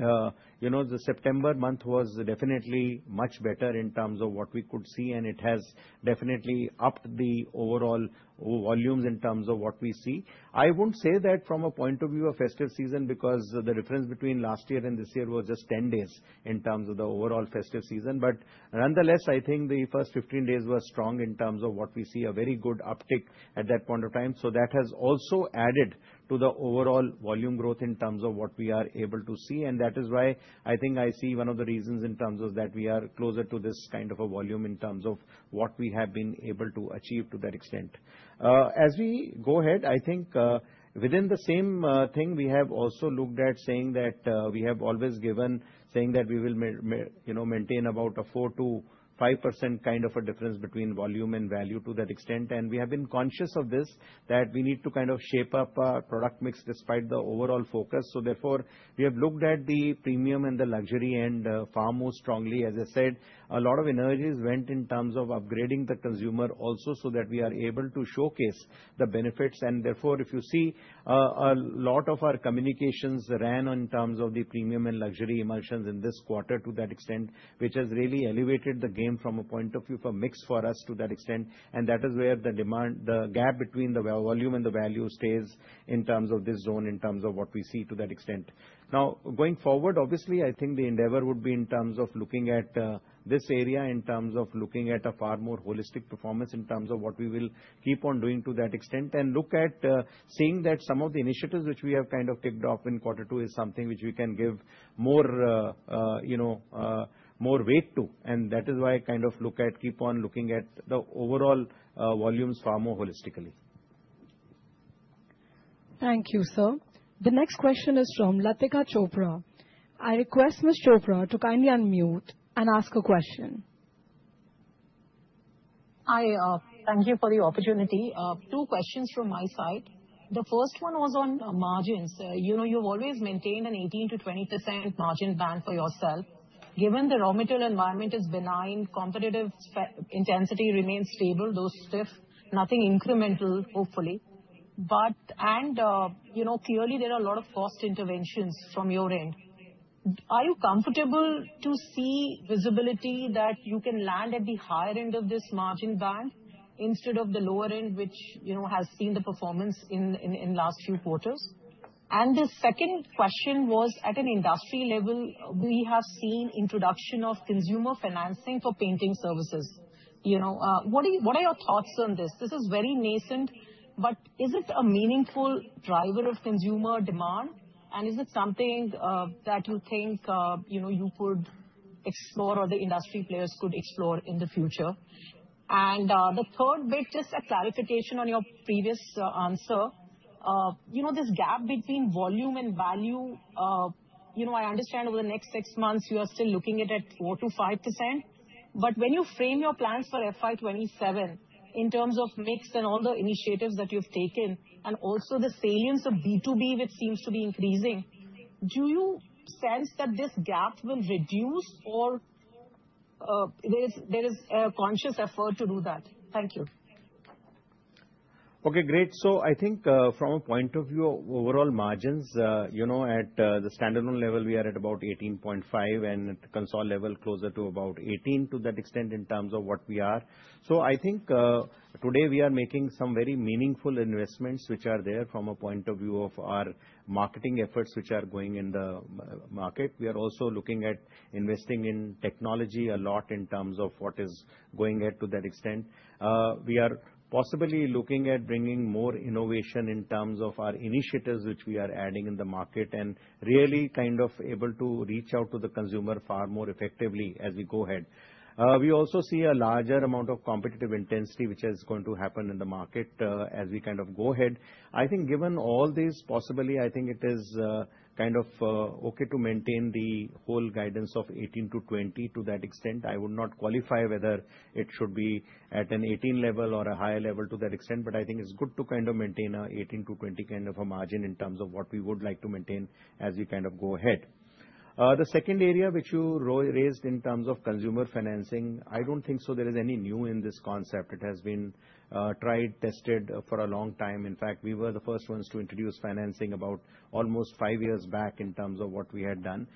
the September month was definitely much better in terms of what we could see, and it has definitely upped the overall volumes in terms of what we see.I wouldn't say that from a point of view of festive season because the difference between last year and this year was just 10 days in terms of the overall festive season. But nonetheless, I think the first 15 days were strong in terms of what we see a very good uptick at that point of time. So that has also added to the overall volume growth in terms of what we are able to see. And that is why I think I see one of the reasons in terms of that we are closer to this kind of a volume in terms of what we have been able to achieve to that extent. As we go ahead, I think within the same thing, we have also looked at saying that we have always given saying that we will maintain about a 4%-5% kind of a difference between volume and value to that extent. And we have been conscious of this that we need to kind of shape up our product mix despite the overall focus. So therefore, we have looked at the premium and the luxury end far more strongly. As I said, a lot of energies went in terms of upgrading the consumer also so that we are able to showcase the benefits. And therefore, if you see a lot of our communications ran on terms of the premium and luxury emulsions in this quarter to that extent, which has really elevated the game from a point of view for mix for us to that extent. And that is where the demand, the gap between the volume and the value stays in terms of this zone in terms of what we see to that extent. Now, going forward, obviously, I think the endeavor would be in terms of looking at this area in terms of looking at a far more holistic performance in terms of what we will keep on doing to that extent and look at seeing that some of the initiatives which we have kind of kicked off in quarter two is something which we can give more weight to. And that is why I kind of look at keep on looking at the overall volumes far more holistically. Thank you, sir. The next question is from Latika Chopra. I request Ms. Chopra to kindly unmute and ask a question. Hi, thank you for the opportunity. Two questions from my side. The first one was on margins. You've always maintained an 18%-20% margin band for yourself. Given the raw material environment is benign, competitive intensity remains stable, though stiff, nothing incremental, hopefully. But clearly, there are a lot of cost interventions from your end. Are you comfortable to see visibility that you can land at the higher end of this margin band instead of the lower end, which has seen the performance in last few quarters? And the second question was at an industry level, we have seen introduction of consumer financing for painting services. What are your thoughts on this? This is very nascent, but is it a meaningful driver of consumer demand? And is it something that you think you could explore or the industry players could explore in the future? And the third bit, just a clarification on your previous answer, this gap between volume and value, I understand over the next six months, you are still looking at it at 4%-5%. But when you frame your plans for FY27 in terms of mix and all the initiatives that you've taken and also the salience of B2B, which seems to be increasing, do you sense that this gap will reduce or there is a conscious effort to do that? Thank you. Okay, great. So I think from a point of view of overall margins, at the standalone level, we are at about 18.5 and at the consolidated level, closer to about 18 to that extent in terms of what we are.I think today we are making some very meaningful investments which are there from a point of view of our marketing efforts which are going in the market. We are also looking at investing in technology a lot in terms of what is going ahead to that extent. We are possibly looking at bringing more innovation in terms of our initiatives which we are adding in the market and really kind of able to reach out to the consumer far more effectively as we go ahead. We also see a larger amount of competitive intensity which is going to happen in the market as we kind of go ahead. I think given all these, possibly I think it is kind of okay to maintain the whole guidance of 18-20 to that extent. I would not qualify whether it should be at an 18 level or a higher level to that extent, but I think it's good to kind of maintain an 18 to 20 kind of a margin in terms of what we would like to maintain as we kind of go ahead. The second area which you raised in terms of consumer financing, I don't think so there is any new in this concept. It has been tried, tested for a long time. In fact, we were the first ones to introduce financing about almost five years back in terms of what we had done.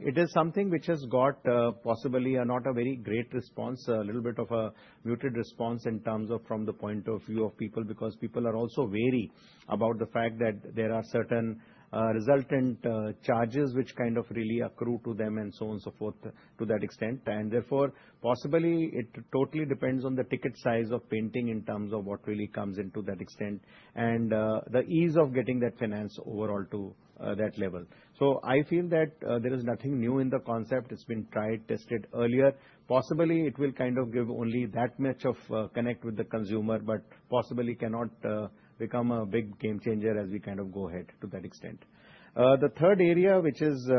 It is something which has got possibly not a very great response, a little bit of a muted response in terms of from the point of view of people because people are also wary about the fact that there are certain resultant charges which kind of really accrue to them and so on and so forth to that extent, and therefore, possibly it totally depends on the ticket size of painting in terms of what really comes into that extent and the ease of getting that finance overall to that level, so I feel that there is nothing new in the concept. It's been tried, tested earlier. Possibly it will kind of give only that much of connect with the consumer, but possibly cannot become a big game changer as we kind of go ahead to that extent. The third area which is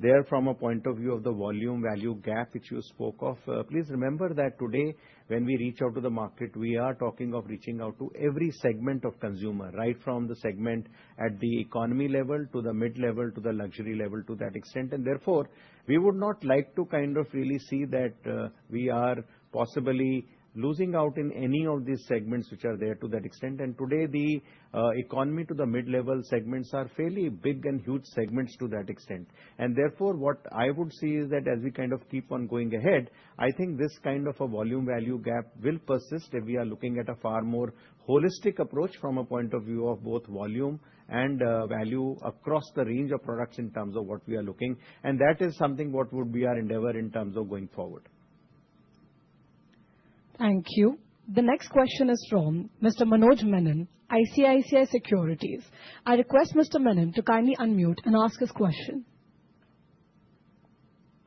there from a point of view of the volume value gap which you spoke of, please remember that today when we reach out to the market, we are talking of reaching out to every segment of consumer, right from the segment at the economy level to the mid-level to the luxury level to that extent. And therefore, we would not like to kind of really see that we are possibly losing out in any of these segments which are there to that extent. And today, the economy to the mid-level segments are fairly big and huge segments to that extent. And therefore, what I would see is that as we kind of keep on going ahead, I think this kind of a volume value gap will persist if we are looking at a far more holistic approach from a point of view of both volume and value across the range of products in terms of what we are looking. And that is something what would be our endeavor in terms of going forward. Thank you. The next question is from Mr. Manoj Menon, ICICI Securities. I request Mr. Menon to kindly unmute and ask his question.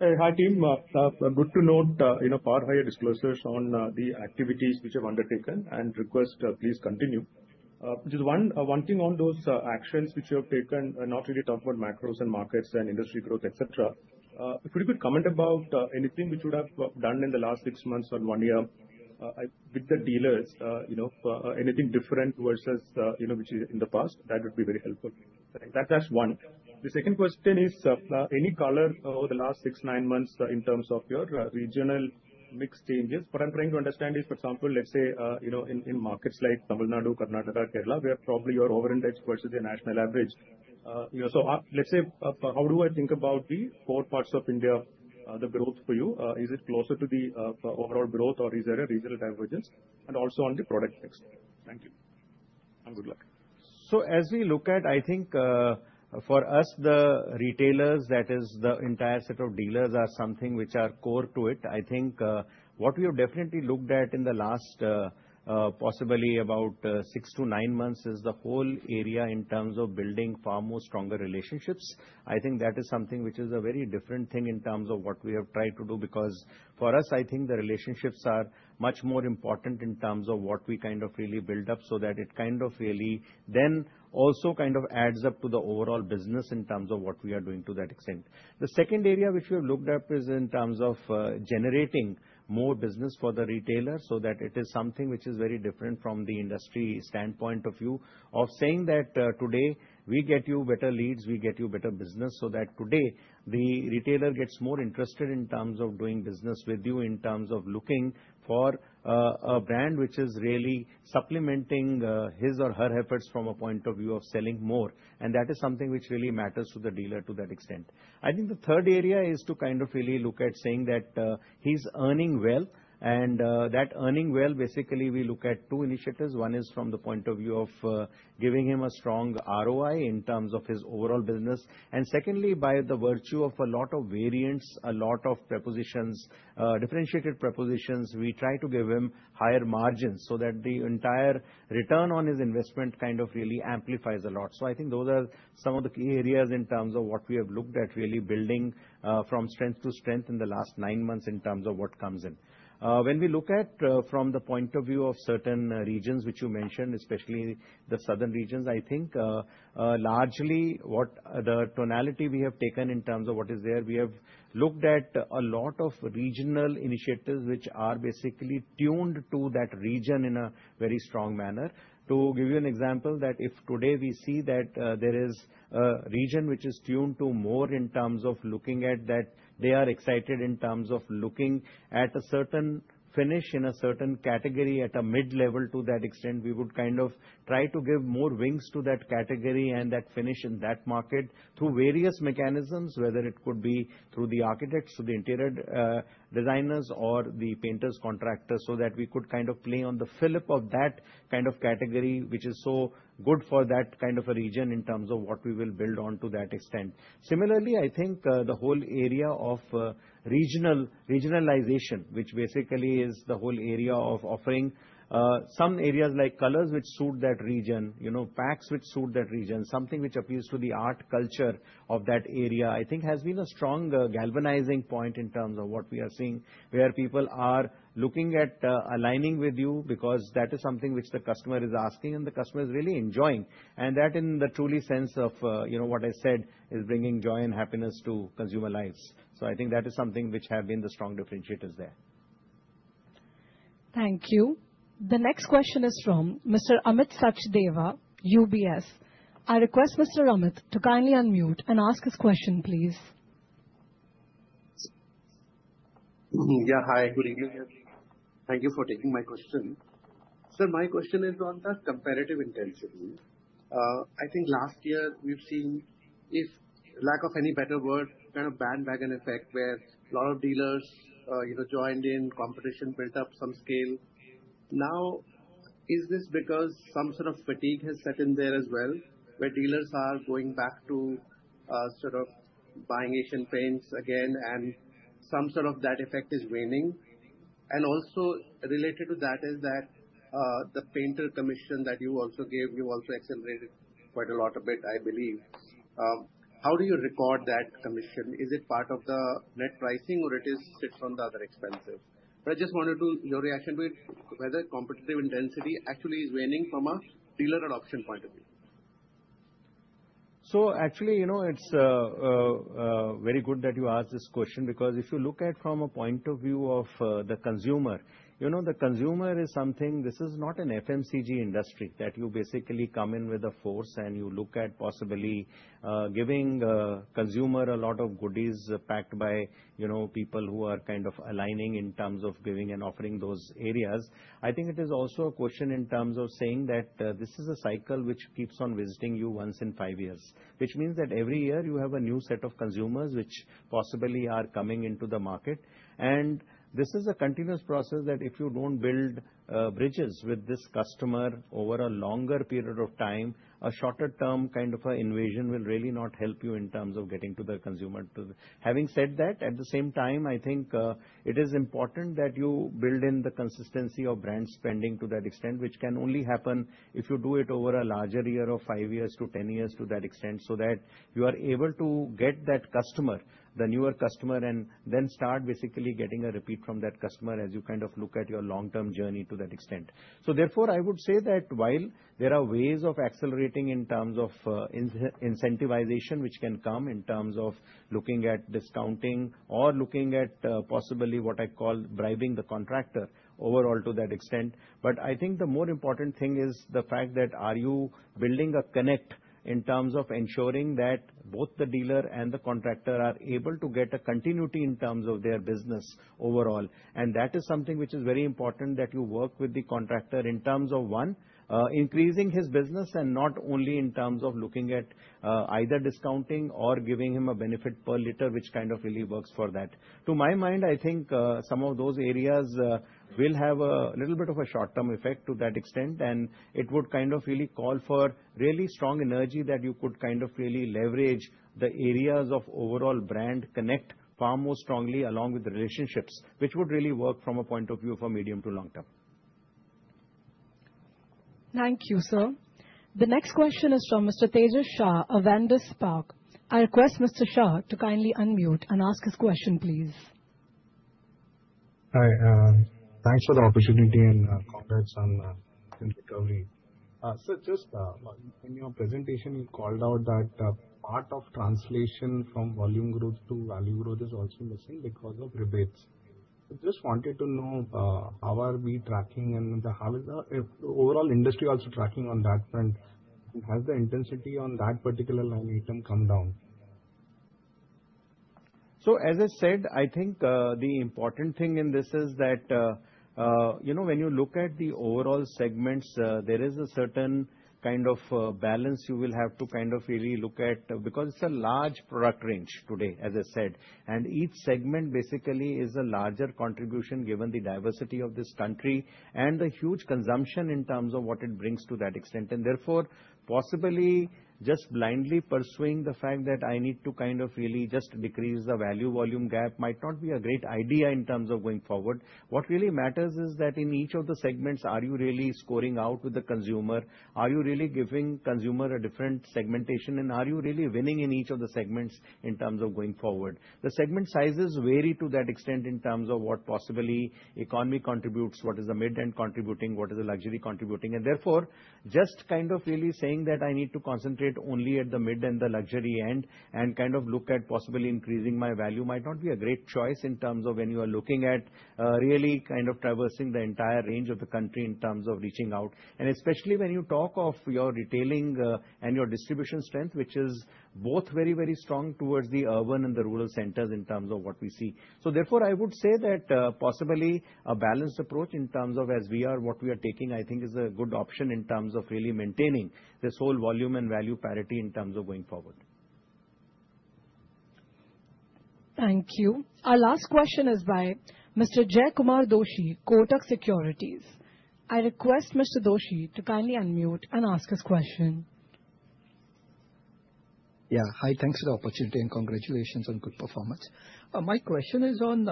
Hi, team. Good to note your higher disclosures on the activities which you have undertaken and request please continue. Just one thing on those actions which you have taken, not really talk about macros and markets and industry growth, etc. If we could comment about anything which you would have done in the last six months or one year with the dealers, anything different versus which is in the past, that would be very helpful. That's one. The second question is any color over the last six, nine months in terms of your regional mix changes. What I'm trying to understand is, for example, let's say in markets like Tamil Nadu, Karnataka, Kerala, where probably you are overindexed versus the national average. So let's say, how do I think about the four parts of India, the growth for you? Is it closer to the overall growth or is there a regional divergence? And also on the product mix. Thank you. And good luck. So as we look at, I think for us, the retailers, that is the entire set of dealers are something which are core to it.I think what we have definitely looked at in the last possibly about six to nine months is the whole area in terms of building far more stronger relationships. I think that is something which is a very different thing in terms of what we have tried to do because for us, I think the relationships are much more important in terms of what we kind of really build up so that it kind of really then also kind of adds up to the overall business in terms of what we are doing to that extent. The second area which we have looked at is in terms of generating more business for the retailer so that it is something which is very different from the industry standpoint of view of saying that today we get you better leads, we get you better business so that today the retailer gets more interested in terms of doing business with you in terms of looking for a brand which is really supplementing his or her efforts from a point of view of selling more. And that is something which really matters to the dealer to that extent. I think the third area is to kind of really look at saying that he's earning well. And that earning well, basically we look at two initiatives. One is from the point of view of giving him a strong ROI in terms of his overall business. Secondly, by virtue of a lot of variants, a lot of propositions, differentiated propositions, we try to give him higher margins so that the entire return on his investment kind of really amplifies a lot. I think those are some of the key areas in terms of what we have looked at really building from strength to strength in the last nine months in terms of what comes in. When we look at from the point of view of certain regions which you mentioned, especially the southern regions, I think largely what the tonality we have taken in terms of what is there, we have looked at a lot of regional initiatives which are basically tuned to that region in a very strong manner. To give you an example, that if today we see that there is a region which is tuned to more in terms of looking at that, they are excited in terms of looking at a certain finish in a certain category at a mid-level to that extent, we would kind of try to give more wings to that category and that finish in that market through various mechanisms, whether it could be through the architects, the interior designers, or the painters, contractors so that we could kind of play on the fillip of that kind of category which is so good for that kind of a region in terms of what we will build on to that extent. Similarly, I think the whole area of regionalization, which basically is the whole area of offering some areas like colors which suit that region, packs which suit that region, something which appeals to the art culture of that area, I think has been a strong galvanizing point in terms of what we are seeing where people are looking at aligning with you because that is something which the customer is asking and the customer is really enjoying. And that in the true sense of what I said is bringing joy and happiness to consumer lives. So I think that is something which have been the strong differentiators there. Thank you. The next question is from Mr. Amit Sachdeva, UBS. I request Mr. Amit to kindly unmute and ask his question, please. Yeah, hi. Good evening. Thank you for taking my question. Sir, my question is on that comparative intensity.I think last year we've seen, for lack of a better word, kind of bandwagon effect where a lot of dealers joined in, competition built up some scale. Now, is this because some sort of fatigue has set in there as well where dealers are going back to sort of buying Asian Paints again and some sort of that effect is waning? And also related to that is that the painter commission that you also gave, you also accelerated quite a lot of it, I believe. How do you record that commission? Is it part of the net pricing or it sits on the other expenses? But I just wanted your reaction to it, whether competitive intensity actually is waning from a dealer adoption point of view. So actually, it's very good that you asked this question because if you look at from a point of view of the consumer, the consumer is something. This is not an FMCG industry that you basically come in with a force and you look at possibly giving consumer a lot of goodies packed by people who are kind of aligning in terms of giving and offering those areas. I think it is also a question in terms of saying that this is a cycle which keeps on visiting you once in five years, which means that every year you have a new set of consumers which possibly are coming into the market. This is a continuous process that if you don't build bridges with this customer over a longer period of time, a shorter term kind of an invasion will really not help you in terms of getting to the consumer. Having said that, at the same time, I think it is important that you build in the consistency of brand spending to that extent, which can only happen if you do it over a larger year of five years to 10 years to that extent so that you are able to get that customer, the newer customer, and then start basically getting a repeat from that customer as you kind of look at your long-term journey to that extent. So therefore, I would say that while there are ways of accelerating in terms of incentivization which can come in terms of looking at discounting or looking at possibly what I call bribing the contractor overall to that extent. But I think the more important thing is the fact that are you building a connect in terms of ensuring that both the dealer and the contractor are able to get a continuity in terms of their business overall. And that is something which is very important that you work with the contractor in terms of one, increasing his business and not only in terms of looking at either discounting or giving him a benefit per liter, which kind of really works for that. To my mind, I think some of those areas will have a little bit of a short-term effect to that extent, and it would kind of really call for really strong energy that you could kind of really leverage the areas of overall brand connect far more strongly along with the relationships, which would really work from a point of view for medium to long term. Thank you, sir. The next question is from Mr. Tejas Shah, Avendus Spark. I request Mr. Shah to kindly unmute and ask his question, please. Hi. Thanks for the opportunity and congrats on recovery. Sir, just in your presentation, you called out that part of translation from volume growth to value growth is also missing because of rebates. Just wanted to know how are we tracking and how is the overall industry also tracking on that front? Has the intensity on that particular line item come down? So as I said, I think the important thing in this is that when you look at the overall segments, there is a certain kind of balance you will have to kind of really look at because it's a large product range today, as I said. And each segment basically is a larger contribution given the diversity of this country and the huge consumption in terms of what it brings to that extent. And therefore, possibly just blindly pursuing the fact that I need to kind of really just decrease the value volume gap might not be a great idea in terms of going forward. What really matters is that in each of the segments, are you really scoring out with the consumer? Are you really giving consumer a different segmentation? Are you really winning in each of the segments in terms of going forward? The segment sizes vary to that extent in terms of what possibly economy contributes, what is the mid-end contributing, what is the luxury contributing. Therefore, just kind of really saying that I need to concentrate only at the mid and the luxury end and kind of look at possibly increasing my value might not be a great choice in terms of when you are looking at really kind of traversing the entire range of the country in terms of reaching out. Especially when you talk of your retailing and your distribution strength, which is both very, very strong towards the urban and the rural centers in terms of what we see. So therefore, I would say that possibly a balanced approach in terms of as we are what we are taking, I think is a good option in terms of really maintaining this whole volume and value parity in terms of going forward. Thank you. Our last question is by Mr. Jaykumar Doshi, Kotak Securities. I request Mr. Doshi to kindly unmute and ask his question. Yeah. Hi. Thanks for the opportunity and congratulations on good performance. My question is on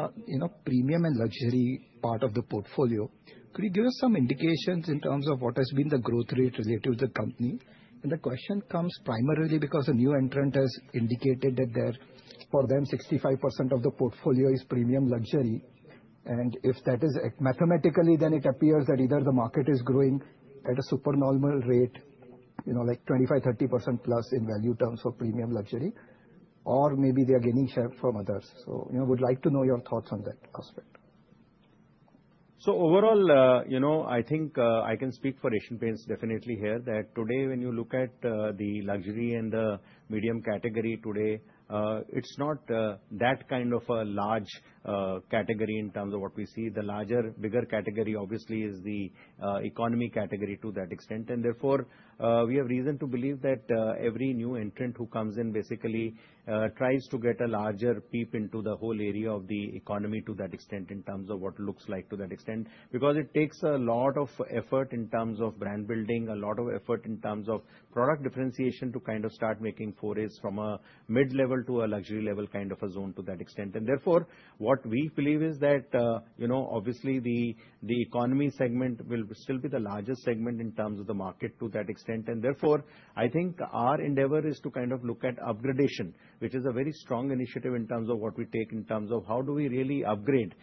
premium and luxury part of the portfolio. Could you give us some indications in terms of what has been the growth rate relative to the company? And the question comes primarily because a new entrant has indicated that for them, 65% of the portfolio is premium luxury. And if that is mathematically, then it appears that either the market is growing at a supernormal rate, like 25%-30% plus in value terms for premium luxury, or maybe they are gaining share from others. So I would like to know your thoughts on that aspect. So overall, I think I can speak for Asian Paints definitely here that today when you look at the luxury and the medium category today, it is not that kind of a large category in terms of what we see. The larger, bigger category obviously is the economy category to that extent. Therefore, we have reason to believe that every new entrant who comes in basically tries to get a larger peek into the whole area of the economy to that extent in terms of what it looks like to that extent because it takes a lot of effort in terms of brand building, a lot of effort in terms of product differentiation to kind of start making forays from a mid-level to a luxury level kind of a zone to that extent. Therefore, what we believe is that obviously the economy segment will still be the largest segment in terms of the market to that extent. And therefore, I think our endeavor is to kind of look at upgradation, which is a very strong initiative in terms of what we take in terms of how do we really upgrade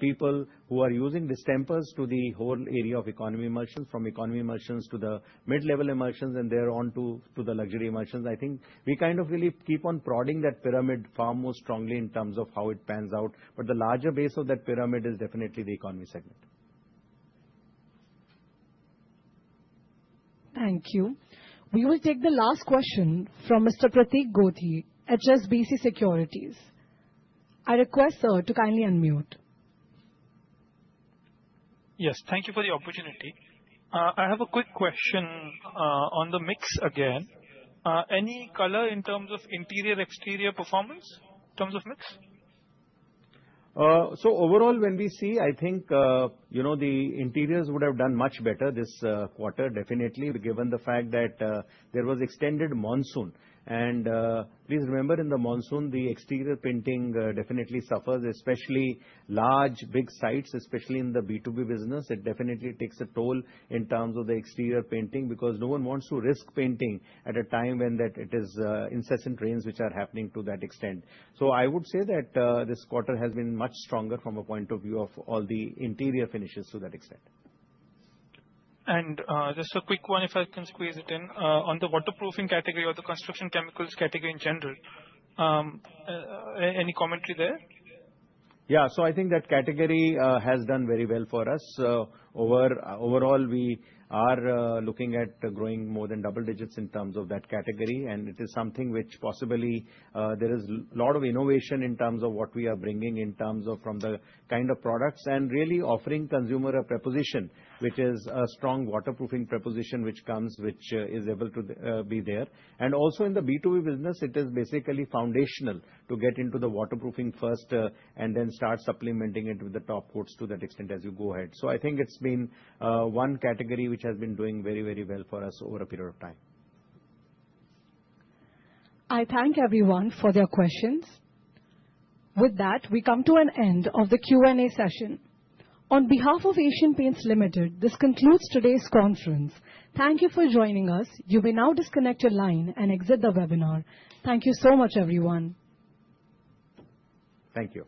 people who are using distempers to the whole area of economy emulsions from economy emulsions to the mid-level emulsions and thereon to the luxury emulsions. I think we kind of really keep on prodding that pyramid far more strongly in terms of how it pans out. But the larger base of that pyramid is definitely the economy segment. Thank you. We will take the last question from Mr. Prateek Godhi, HSBC Securities. I request sir to kindly unmute. Yes. Thank you for the opportunity. I have a quick question on the mix again. Any color in terms of interior exterior performance in terms of mix? Overall, when we see, I think the interiors would have done much better this quarter, definitely, given the fact that there was extended monsoon. Please remember in the monsoon, the exterior painting definitely suffers, especially large, big sites, especially in the B2B business. It definitely takes a toll in terms of the exterior painting because no one wants to risk painting at a time when it is incessant rains which are happening to that extent. I would say that this quarter has been much stronger from a point of view of all the interior finishes to that extent. Just a quick one, if I can squeeze it in, on the waterproofing category or the construction chemicals category in general, any commentary there? Yeah. I think that category has done very well for us. Overall, we are looking at growing more than double digits in terms of that category. And it is something which possibly there is a lot of innovation in terms of what we are bringing in terms of from the kind of products and really offering consumer a proposition, which is a strong waterproofing proposition which comes, which is able to be there. And also in the B2B business, it is basically foundational to get into the waterproofing first and then start supplementing it with the top coats to that extent as you go ahead. So I think it's been one category which has been doing very, very well for us over a period of time. I thank everyone for their questions. With that, we come to an end of the Q&A session. On behalf of Asian Paints Limited, this Concludes Today's Conference. Thank you for joining us. You may now disconnect your line and exit the webinar. Thank you so much, everyone. Thank you.